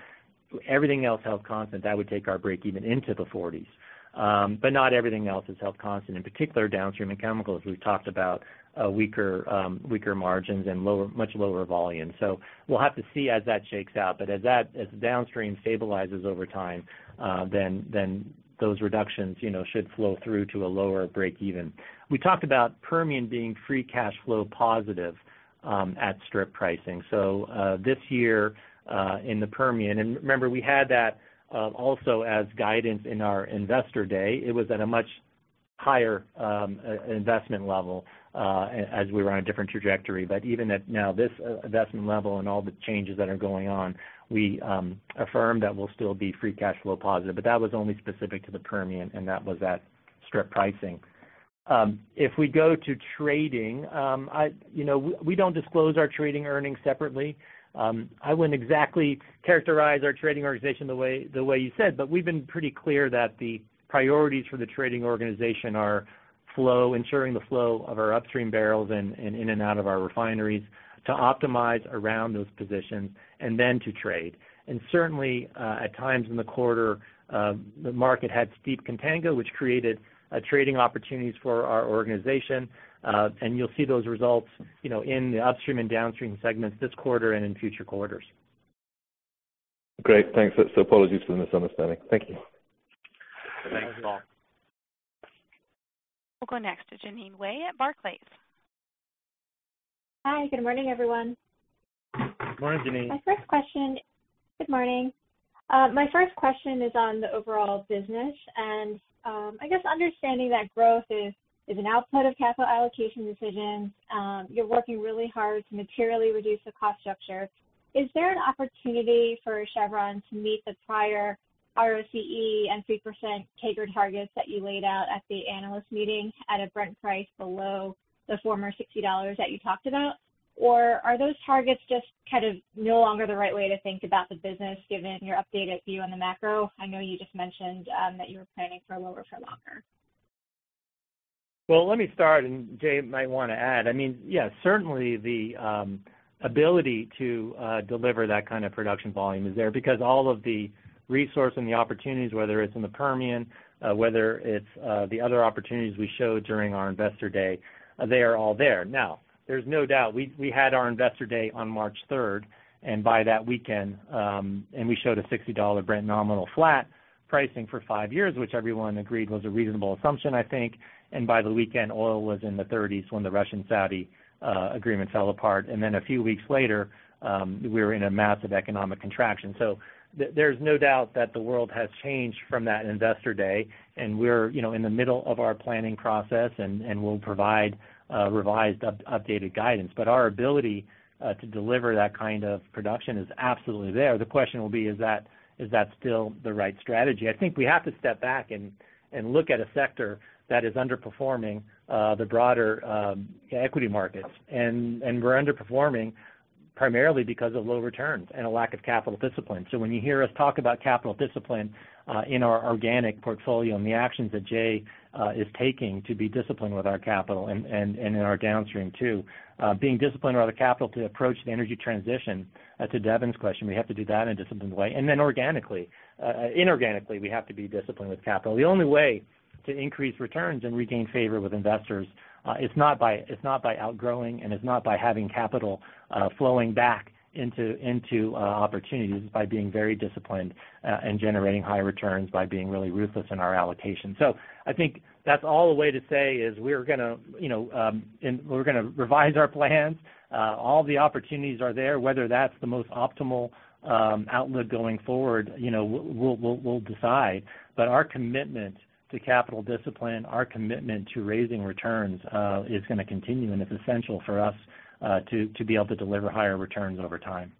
Everything else held constant, that would take our breakeven into the 40s. Not everything else is held constant, in particular, downstream and chemicals. We've talked about weaker margins and much lower volume. We'll have to see as that shakes out. As downstream stabilizes over time, those reductions should flow through to a lower breakeven. We talked about Permian being free cash flow positive at strip pricing. This year in the Permian, and remember, we had that also as guidance in our investor day. It was at a much higher investment level as we were on a different trajectory. Even at now this investment level and all the changes that are going on, we affirmed that we'll still be free cash flow positive, but that was only specific to the Permian, and that was at strip pricing. If we go to trading, we don't disclose our trading earnings separately. I wouldn't exactly characterize our trading organization the way you said, but we've been pretty clear that the priorities for the trading organization are ensuring the flow of our upstream barrels and in and out of our refineries to optimize around those positions, and then to trade. Certainly at times in the quarter the market had steep contango, which created trading opportunities for our organization. You'll see those results in the upstream and downstream segments this quarter and in future quarters. Great. Thanks. Apologies for the misunderstanding. Thank you. Thanks, Paul. We'll go next to Jeanine Wai at Barclays. Hi. Good morning, everyone. Good morning, Jeanine. Good morning. My first question is on the overall business. I guess understanding that growth is an output of capital allocation decisions. You're working really hard to materially reduce the cost structure. Is there an opportunity for Chevron to meet the prior ROCE and 3% CAGR targets that you laid out at the analyst meeting at a Brent price below the former $60 that you talked about? Are those targets just kind of no longer the right way to think about the business given your updated view on the macro? I know you just mentioned that you were planning for lower for longer. Let me start, and Jay might want to add. I mean, yeah, certainly the ability to deliver that kind of production volume is there because all of the resource and the opportunities, whether it's in the Permian, whether it's the other opportunities we showed during our investor day, they are all there. There's no doubt we had our investor day on March 3rd, and we showed a $60 Brent nominal flat pricing for five years, which everyone agreed was a reasonable assumption, I think. By the weekend, oil was in the 30s when the Russian-Saudi agreement fell apart. Then a few weeks later, we were in a massive economic contraction. There's no doubt that the world has changed from that investor day, and we're in the middle of our planning process, and we'll provide revised, updated guidance. Our ability to deliver that kind of production is absolutely there. The question will be, is that still the right strategy? I think we have to step back and look at a sector that is underperforming the broader equity markets. We're underperforming primarily because of low returns and a lack of capital discipline. When you hear us talk about capital discipline in our organic portfolio and the actions that Jay is taking to be disciplined with our capital and in our downstream too, being disciplined around the capital to approach the energy transition, to Devin's question, we have to do that in a disciplined way. Then inorganically, we have to be disciplined with capital. The only way to increase returns and regain favor with investors, it's not by outgrowing, and it's not by having capital flowing back into opportunities. It's by being very disciplined and generating high returns by being really ruthless in our allocation. I think that's all a way to say is we're going to revise our plans. All the opportunities are there, whether that's the most optimal outlet going forward, we'll decide. Our commitment to capital discipline, our commitment to raising returns is going to continue, and it's essential for us to be able to deliver higher returns over time.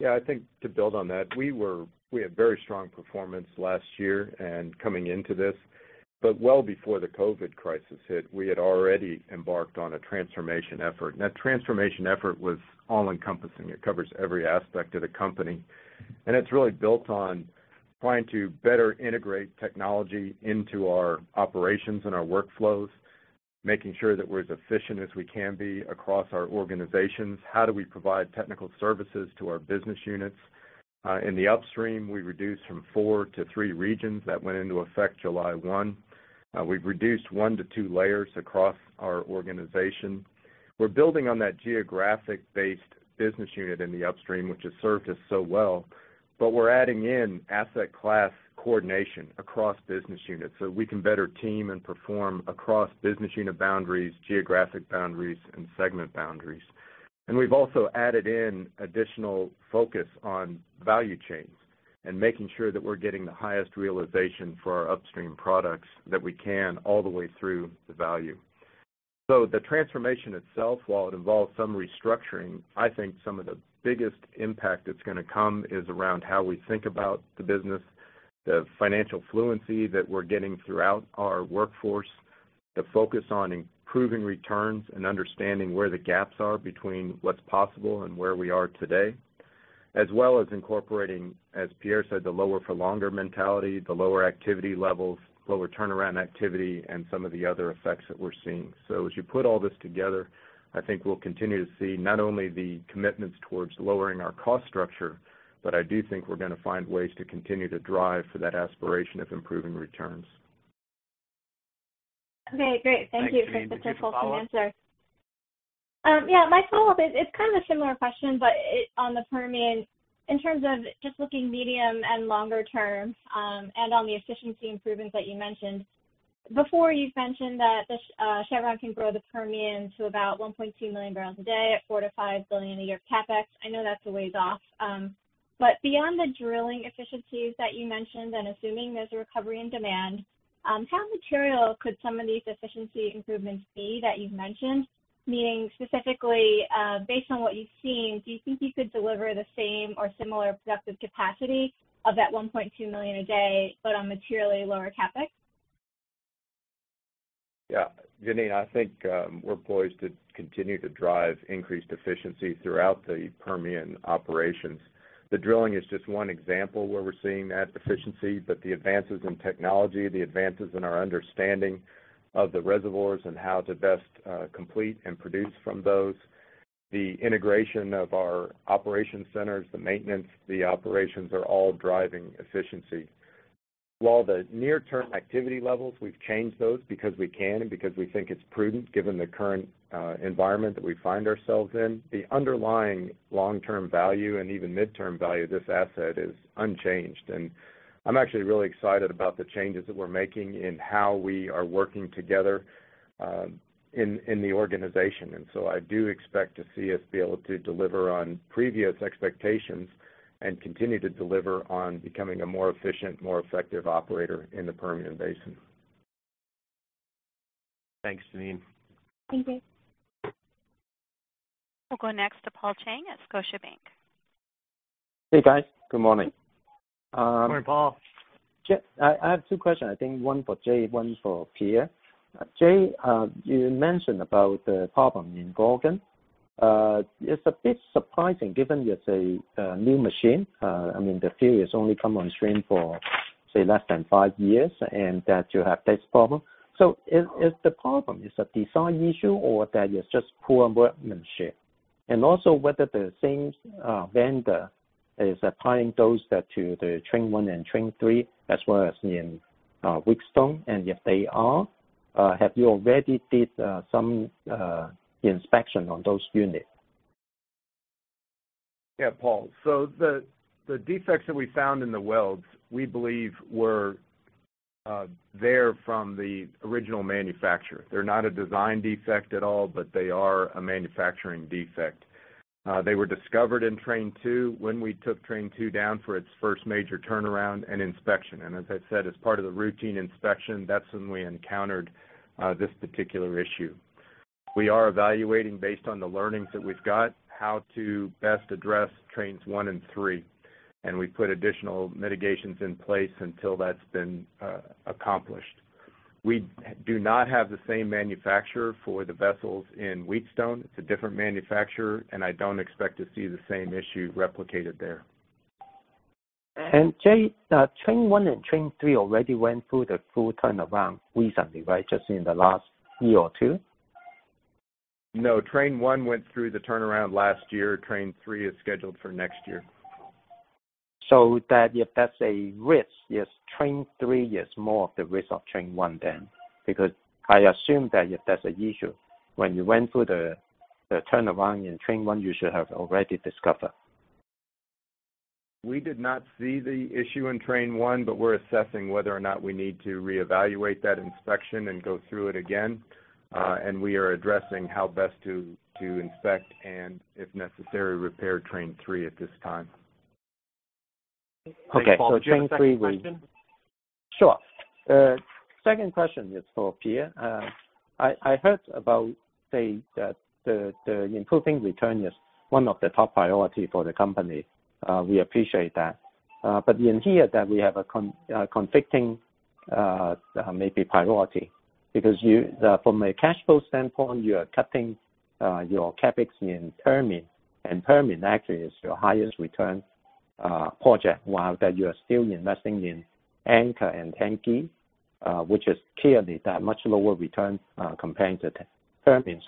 Yeah, I think to build on that, we had very strong performance last year and coming into this. Well before the COVID crisis hit, we had already embarked on a transformation effort, and that transformation effort was all-encompassing. It covers every aspect of the company, and it's really built on trying to better integrate technology into our operations and our workflows, making sure that we're as efficient as we can be across our organizations. How do we provide technical services to our business units? In the upstream, we reduced from four to three regions. That went into effect July 1. We've reduced one to two layers across our organization. We're building on that geographic-based business unit in the upstream, which has served us so well. We're adding in asset class coordination across business units so we can better team and perform across business unit boundaries, geographic boundaries, and segment boundaries. We've also added in additional focus on value chains and making sure that we're getting the highest realization for our upstream products that we can all the way through the value. The transformation itself, while it involves some restructuring, I think some of the biggest impact that's going to come is around how we think about the business, the financial fluency that we're getting throughout our workforce, the focus on improving returns, and understanding where the gaps are between what's possible and where we are today. As well as incorporating, as Pierre said, the lower for longer mentality, the lower activity levels, lower turnaround activity, and some of the other effects that we're seeing. As you put all this together, I think we'll continue to see not only the commitments towards lowering our cost structure, but I do think we're going to find ways to continue to drive for that aspiration of improving returns. Okay, great. Thank you for the purposeful answer. Thanks, Jeanine. Did you have a follow-up? My follow-up, it's kind of a similar question, but on the Permian, in terms of just looking medium and longer term, and on the efficiency improvements that you mentioned. Before, you mentioned that Chevron can grow the Permian to about 1.2 million bbl a day at $4 billion-$5 billion a year CapEx. I know that's a ways off. Beyond the drilling efficiencies that you mentioned and assuming there's a recovery in demand, how material could some of these efficiency improvements be that you've mentioned? Meaning specifically, based on what you've seen, do you think you could deliver the same or similar productive capacity of that 1.2 million a day but on materially lower CapEx? Jeanine, I think we're poised to continue to drive increased efficiency throughout the Permian operations. The drilling is just one example where we're seeing that efficiency. The advances in technology, the advances in our understanding of the reservoirs and how to best complete and produce from those, the integration of our operations centers, the maintenance, the operations are all driving efficiency. While the near-term activity levels, we've changed those because we can and because we think it's prudent given the current environment that we find ourselves in. The underlying long-term value and even midterm value of this asset is unchanged. I'm actually really excited about the changes that we're making in how we are working together in the organization. I do expect to see us be able to deliver on previous expectations and continue to deliver on becoming a more efficient, more effective operator in the Permian Basin. Thanks, Jeanine. Thank you. We'll go next to Paul Cheng at Scotiabank. Hey, guys. Good morning. Morning, Paul. I have two questions. I think one for Jay, one for Pierre. Jay, you mentioned about the problem in Gorgon. It's a bit surprising given it's a new machine. I mean, the facility has only come on stream for, say, less than five years, and that you have this problem. Is the problem a design issue or that is just poor workmanship? Also whether the same vendor is applying those to the Train 1 and Train 3 as well as in Wheatstone. If they are, have you already did some inspection on those units? Paul. The defects that we found in the welds, we believe were there from the original manufacturer. They're not a design defect at all, but they are a manufacturing defect. They were discovered in Train 2 when we took Train 2 down for its first major turnaround and inspection. As I said, as part of the routine inspection, that's when we encountered this particular issue. We are evaluating based on the learnings that we've got how to best address Train 1 and Train 3. We put additional mitigations in place until that's been accomplished. We do not have the same manufacturer for the vessels in Wheatstone. It's a different manufacturer, and I don't expect to see the same issue replicated there. Jay, Train 1 and Train 3 already went through the full turnaround recently, right? Just in the last year or two? No, Train 1 went through the turnaround last year. Train 3 is scheduled for next year. That if that's a risk, yes, Train 3 is more of the risk of Train 1 then. I assume that if that's an issue, when you went through the turnaround in Train 1, you should have already discovered. We did not see the issue in Train 1, but we're assessing whether or not we need to reevaluate that inspection and go through it again. We are addressing how best to inspect and, if necessary, repair Train 3 at this time. Okay, Paul. Do you have a second question? Sure. Second question is for Pierre. I heard about the improving return is one of the top priority for the company. We appreciate that. In here that we have a conflicting maybe priority because from a cash flow standpoint, you are cutting your CapEx in Permian, and Permian actually is your highest return project, while that you are still investing in Anchor and Tengiz, which is clearly that much lower return compared to Permian.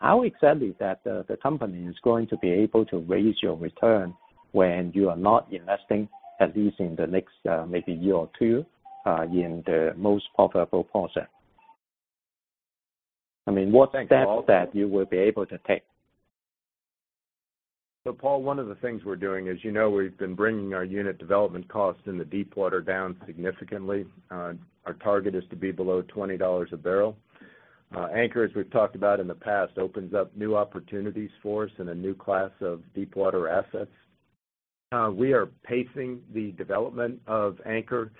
How exactly that the company is going to be able to raise your return when you are not investing, at least in the next maybe year or two, in the most profitable project? I mean, what steps- Thanks, Paul. That you will be able to take? Paul, one of the things we're doing is, you know, we've been bringing our unit development costs in the deepwater down significantly. Our target is to be below $20 a bbl. Anchor, as we've talked about in the past, opens up new opportunities for us in a new class of deepwater assets. We are pacing the development of Anchor,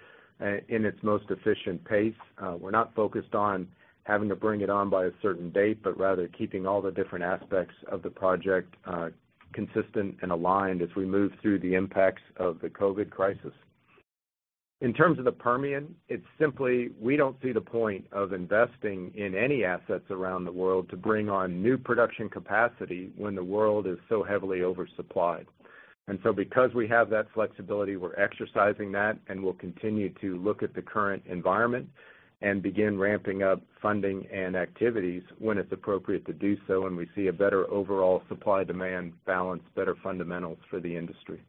in its most efficient pace. We're not focused on having to bring it on by a certain date, but rather keeping all the different aspects of the project consistent and aligned as we move through the impacts of the COVID crisis. In terms of the Permian, it's simply we don't see the point of investing in any assets around the world to bring on new production capacity when the world is so heavily oversupplied. Because we have that flexibility, we're exercising that, and we'll continue to look at the current environment and begin ramping up funding and activities when it's appropriate to do so and we see a better overall supply-demand balance, better fundamentals for the industry.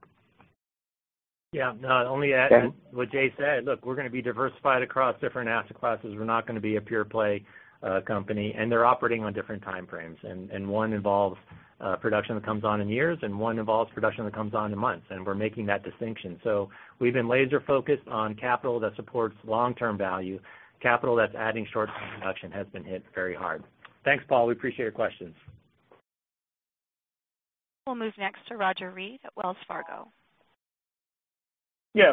Yeah, no. Let me add. Okay What Jay said. Look, we're going to be diversified across different asset classes. We're not going to be a pure play company. They're operating on different time frames. One involves production that comes on in years, and one involves production that comes on in months. We're making that distinction. We've been laser focused on capital that supports long-term value. Capital that's adding short-term production has been hit very hard. Thanks, Paul. We appreciate your questions. We'll move next to Roger Read at Wells Fargo.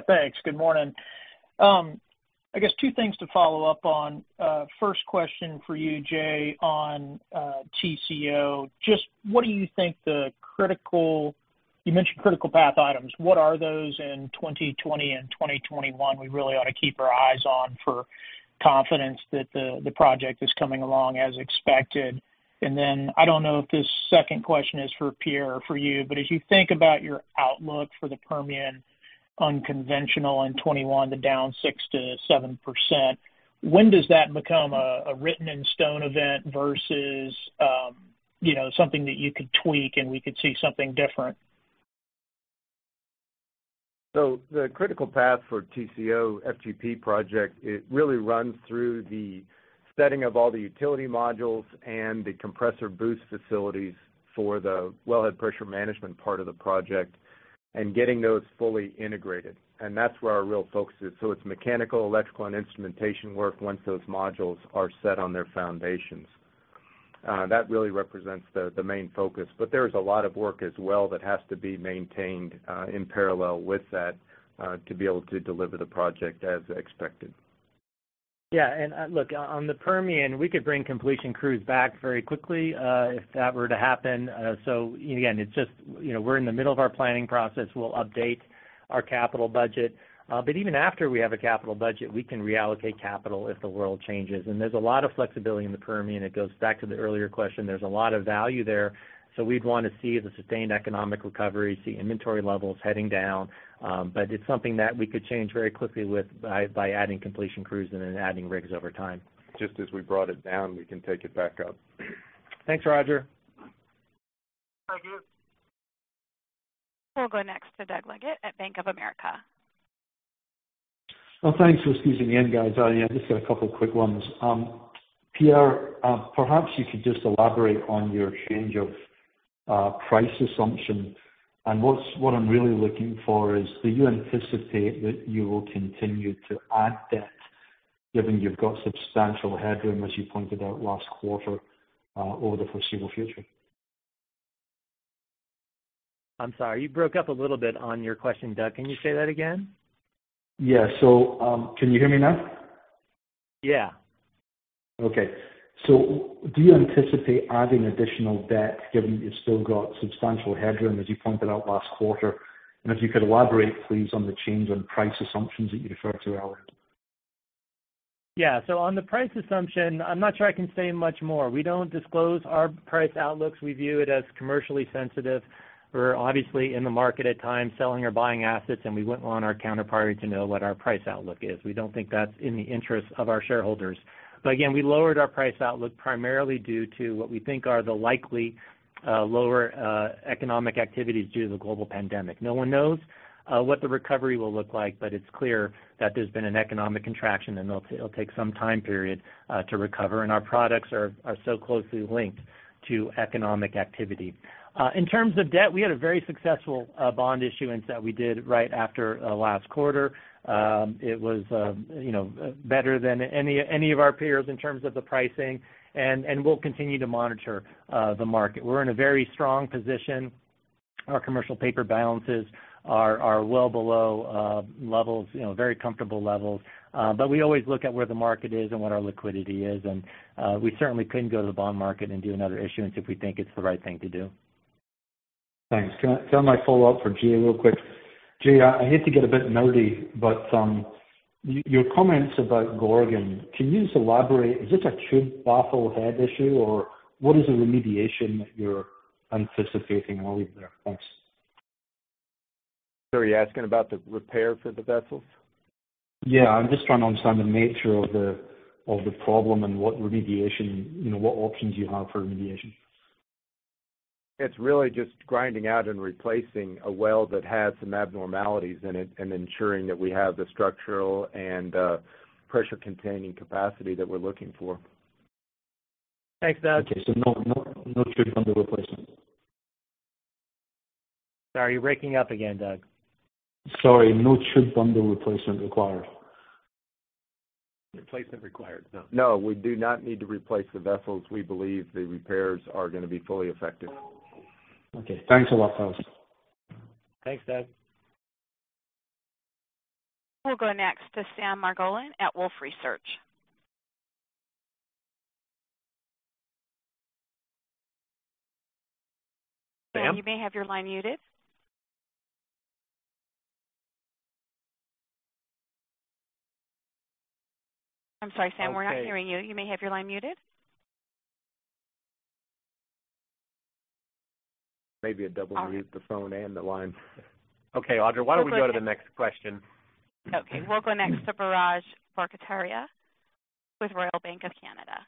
Thanks. Good morning. Two things to follow up on. First question for you, Jay, on TCO. You mentioned critical path items. What are those in 2020 and 2021 we really ought to keep our eyes on for confidence that the project is coming along as expected? I don't know if this second question is for Pierre or for you, as you think about your outlook for the Permian unconventional in 2021 to down 6%-7%, when does that become a written-in-stone event versus something that you could tweak and we could see something different. The critical path for TCO FGP project, it really runs through the setting of all the utility modules and the compressor boost facilities for the wellhead pressure management part of the project and getting those fully integrated. That's where our real focus is. It's mechanical, electrical, and instrumentation work once those modules are set on their foundations. That really represents the main focus. There is a lot of work as well that has to be maintained in parallel with that to be able to deliver the project as expected. Look, on the Permian, we could bring completion crews back very quickly if that were to happen. Again, we're in the middle of our planning process. We'll update our capital budget. Even after we have a capital budget, we can reallocate capital if the world changes. There's a lot of flexibility in the Permian. It goes back to the earlier question. There's a lot of value there. We'd want to see the sustained economic recovery, see inventory levels heading down. It's something that we could change very quickly by adding completion crews and then adding rigs over time. Just as we brought it down, we can take it back up. Thanks, Roger. Thank you. We'll go next to Douglas Leggate at Bank of America. Well, thanks for squeezing me in, guys. Yeah, just got a couple of quick ones. Pierre, perhaps you could just elaborate on your change of price assumption. What I'm really looking for is, do you anticipate that you will continue to add debt given you've got substantial headroom, as you pointed out last quarter, over the foreseeable future? I'm sorry. You broke up a little bit on your question, Doug. Can you say that again? Yeah. Can you hear me now? Yeah. Okay. Do you anticipate adding additional debt given that you've still got substantial headroom, as you pointed out last quarter? If you could elaborate, please, on the change on price assumptions that you referred to earlier. On the price assumption, I'm not sure I can say much more. We don't disclose our price outlooks. We view it as commercially sensitive. We're obviously in the market at times selling or buying assets, and we wouldn't want our counterparty to know what our price outlook is. We don't think that's in the interest of our shareholders. Again, we lowered our price outlook primarily due to what we think are the likely lower economic activities due to the global pandemic. No one knows what the recovery will look like, but it's clear that there's been an economic contraction, and it'll take some time period to recover. Our products are so closely linked to economic activity. In terms of debt, we had a very successful bond issuance that we did right after last quarter. It was better than any of our peers in terms of the pricing, and we'll continue to monitor the market. We're in a very strong position. Our commercial paper balances are well below very comfortable levels. We always look at where the market is and what our liquidity is, and we certainly couldn't go to the bond market and do another issuance if we think it's the right thing to do. Thanks. Can I have my follow-up for Jay real quick? Jay, I hate to get a bit nerdy, but your comments about Gorgon, can you elaborate? Is this a tube bundle head issue, or what is the remediation that you're anticipating on there? Thanks. Sorry, you asking about the repair for the vessels? Yeah, I'm just trying to understand the nature of the problem and what remediation, what options you have for remediation. It's really just grinding out and replacing a well that has some abnormalities in it and ensuring that we have the structural and pressure-containing capacity that we're looking for. Thanks, Doug. Okay. No tube bundle replacement? Sorry, you're breaking up again, Doug. Sorry, no tube bundle replacement required? Replacement required? No. No, we do not need to replace the vessels. We believe the repairs are going to be fully effective. Okay. Thanks a lot, folks. Thanks, Doug. We'll go next to Sam Margolin at Wolfe Research. Sam? Sam, you may have your line muted. I'm sorry, Sam. We're not hearing you. You may have your line muted. Maybe a double mute, the phone and the line. Okay, Audra, why don't we go to the next question? Okay. We'll go next to Biraj Borkhataria with RBC Capital Markets.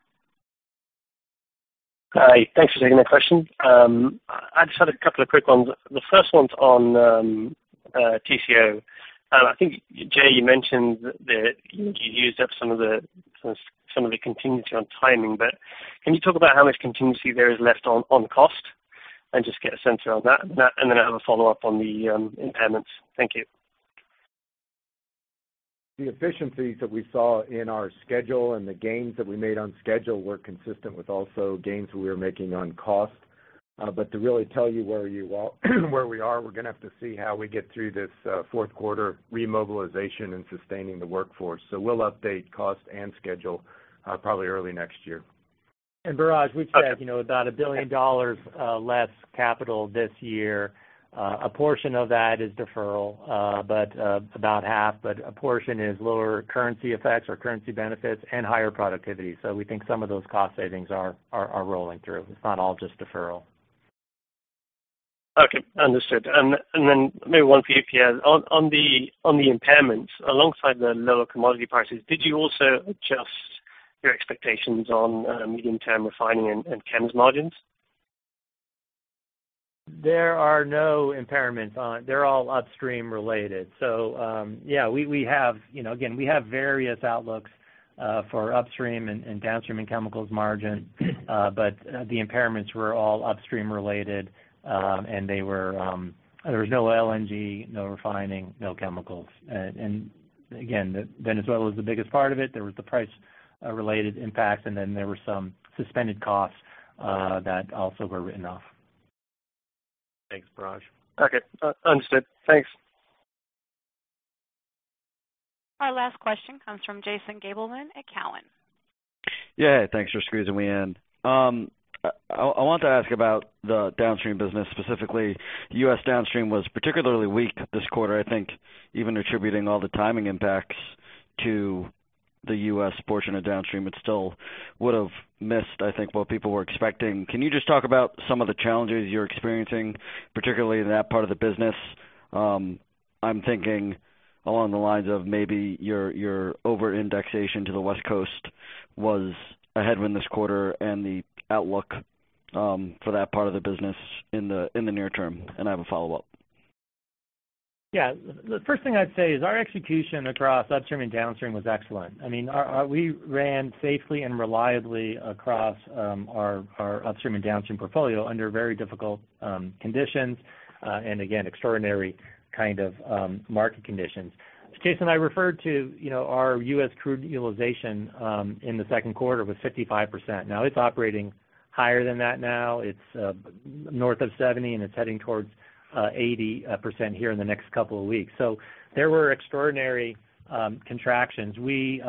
Hi. Thanks for taking the question. I just had a couple of quick ones. The first one's on TCO. I think, Jay, you mentioned that you used up some of the contingency on timing. Can you talk about how much contingency there is left on cost and just get a sense of that? I have a follow-up on the impairments. Thank you. The efficiencies that we saw in our schedule and the gains that we made on schedule were consistent with also gains we were making on cost. To really tell you where we are, we're going to have to see how we get through this fourth quarter remobilization and sustaining the workforce. We'll update cost and schedule probably early next year. Biraj, we've said about $1 billion less capital this year. A portion of that is deferral, about half. A portion is lower currency effects or currency benefits and higher productivity. We think some of those cost savings are rolling through. It's not all just deferral. Okay. Understood. Then maybe one for you, Pierre. On the impairments, alongside the lower commodity prices, did you also adjust your expectations on medium-term refining and chems margins? There are no impairments. They're all upstream related. Yeah, again, we have various outlooks for upstream and downstream and chemicals margin, but the impairments were all upstream related, and there was no LNG, no refining, no chemicals. Again, Venezuela was the biggest part of it. There was the price-related impact, and then there were some suspended costs that also were written off. Thanks, Raj. Okay. Understood. Thanks. Our last question comes from Jason Gabelman at Cowen. Yeah. Thanks for squeezing me in. I want to ask about the downstream business specifically. U.S. downstream was particularly weak this quarter. I think even attributing all the timing impacts to the U.S. portion of downstream, it still would've missed, I think, what people were expecting. Can you just talk about some of the challenges you're experiencing, particularly in that part of the business? I'm thinking along the lines of maybe your over-indexation to the West Coast was a headwind this quarter and the outlook for that part of the business in the near term. I have a follow-up. The first thing I'd say is our execution across upstream and downstream was excellent. We ran safely and reliably across our upstream and downstream portfolio under very difficult conditions, and again, extraordinary kind of market conditions. Jason, I referred to our U.S. crude utilization in the second quarter was 55%. It's operating higher than that now. It's North of 70%, and it's heading towards 80% here in the next couple of weeks. There were extraordinary contractions. We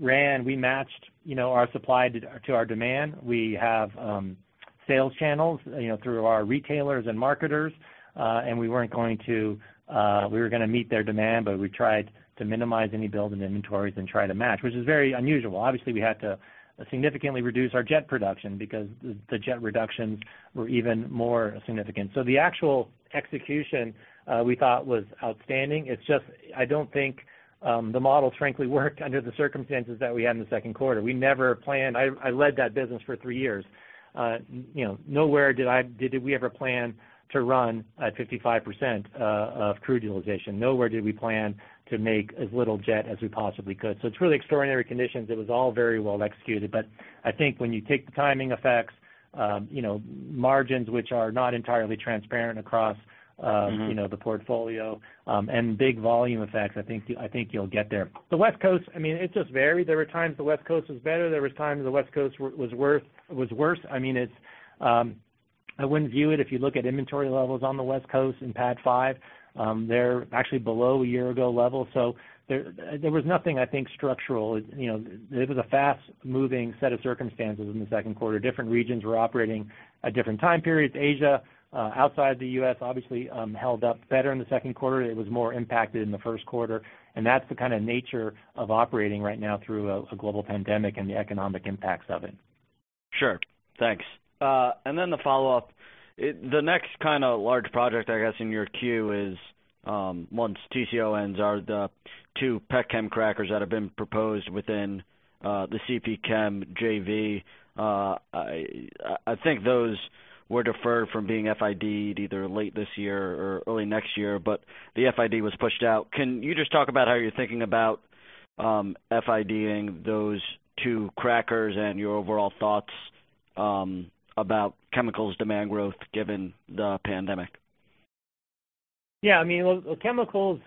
matched our supply to our demand. We have sales channels through our retailers and marketers. We were going to meet their demand, but we tried to minimize any build in inventories and try to match, which is very unusual. Obviously, we had to significantly reduce our jet production because the jet reductions were even more significant. The actual execution we thought was outstanding. It's just, I don't think the model frankly worked under the circumstances that we had in the second quarter. I led that business for three years. Nowhere did we ever plan to run at 55% of crude utilization. Nowhere did we plan to make as little jet as we possibly could. It's really extraordinary conditions. It was all very well executed. I think when you take the timing effects, margins which are not entirely transparent across. The portfolio, big volume effects, I think you'll get there. The West Coast, it just varied. There were times the West Coast was better. There was times the West Coast was worse. I wouldn't view it if you look at inventory levels on the West Coast in PADD 5. They're actually below year-ago levels. There was nothing, I think, structural. It was a fast-moving set of circumstances in the second quarter. Different regions were operating at different time periods. Asia, outside the U.S. obviously held up better in the second quarter. It was more impacted in the first quarter. That's the kind of nature of operating right now through a global pandemic and the economic impacts of it. Sure. Thanks. Then the follow-up. The next kind of large project, I guess, in your queue is once TCO ends are the two petchem crackers that have been proposed within the CP Chem JV. I think those were deferred from being FID-ed either late this year or early next year, but the FID was pushed out. Can you just talk about how you're thinking about FID-ing those two crackers and your overall thoughts about chemicals demand growth given the pandemic? Yeah. Chemicals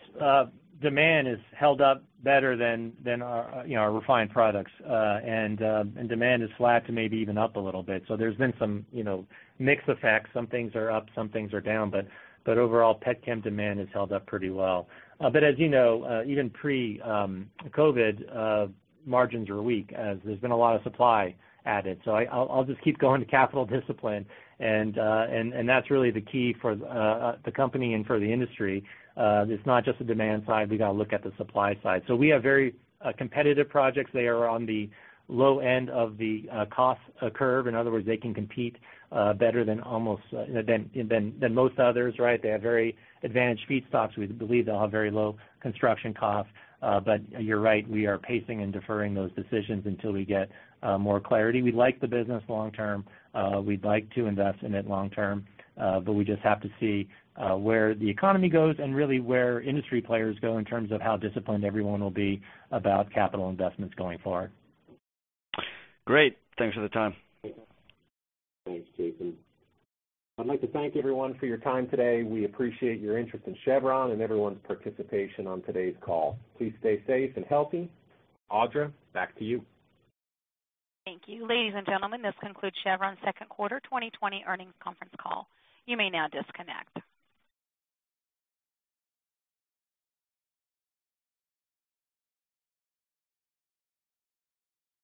demand has held up better than our refined products. Demand is flat to maybe even up a little bit. There's been some mix effects. Some things are up, some things are down, but overall, petchem demand has held up pretty well. As you know, even pre-COVID-19, margins were weak as there's been a lot of supply added. I'll just keep going to capital discipline, and that's really the key for the company and for the industry. It's not just the demand side. We got to look at the supply side. We have very competitive projects. They are on the low end of the cost curve. In other words, they can compete better than most others, right? They have very advantaged feedstocks. We believe they'll have very low construction costs. You're right, we are pacing and deferring those decisions until we get more clarity. We like the business long-term. We'd like to invest in it long-term. We just have to see where the economy goes and really where industry players go in terms of how disciplined everyone will be about capital investments going forward. Great. Thanks for the time. Okay. Thanks, Jason. I'd like to thank everyone for your time today. We appreciate your interest in Chevron and everyone's participation on today's call. Please stay safe and healthy. Audra, back to you. Thank you. Ladies and gentlemen, this concludes Chevron's second quarter 2020 earnings conference call. You may now disconnect.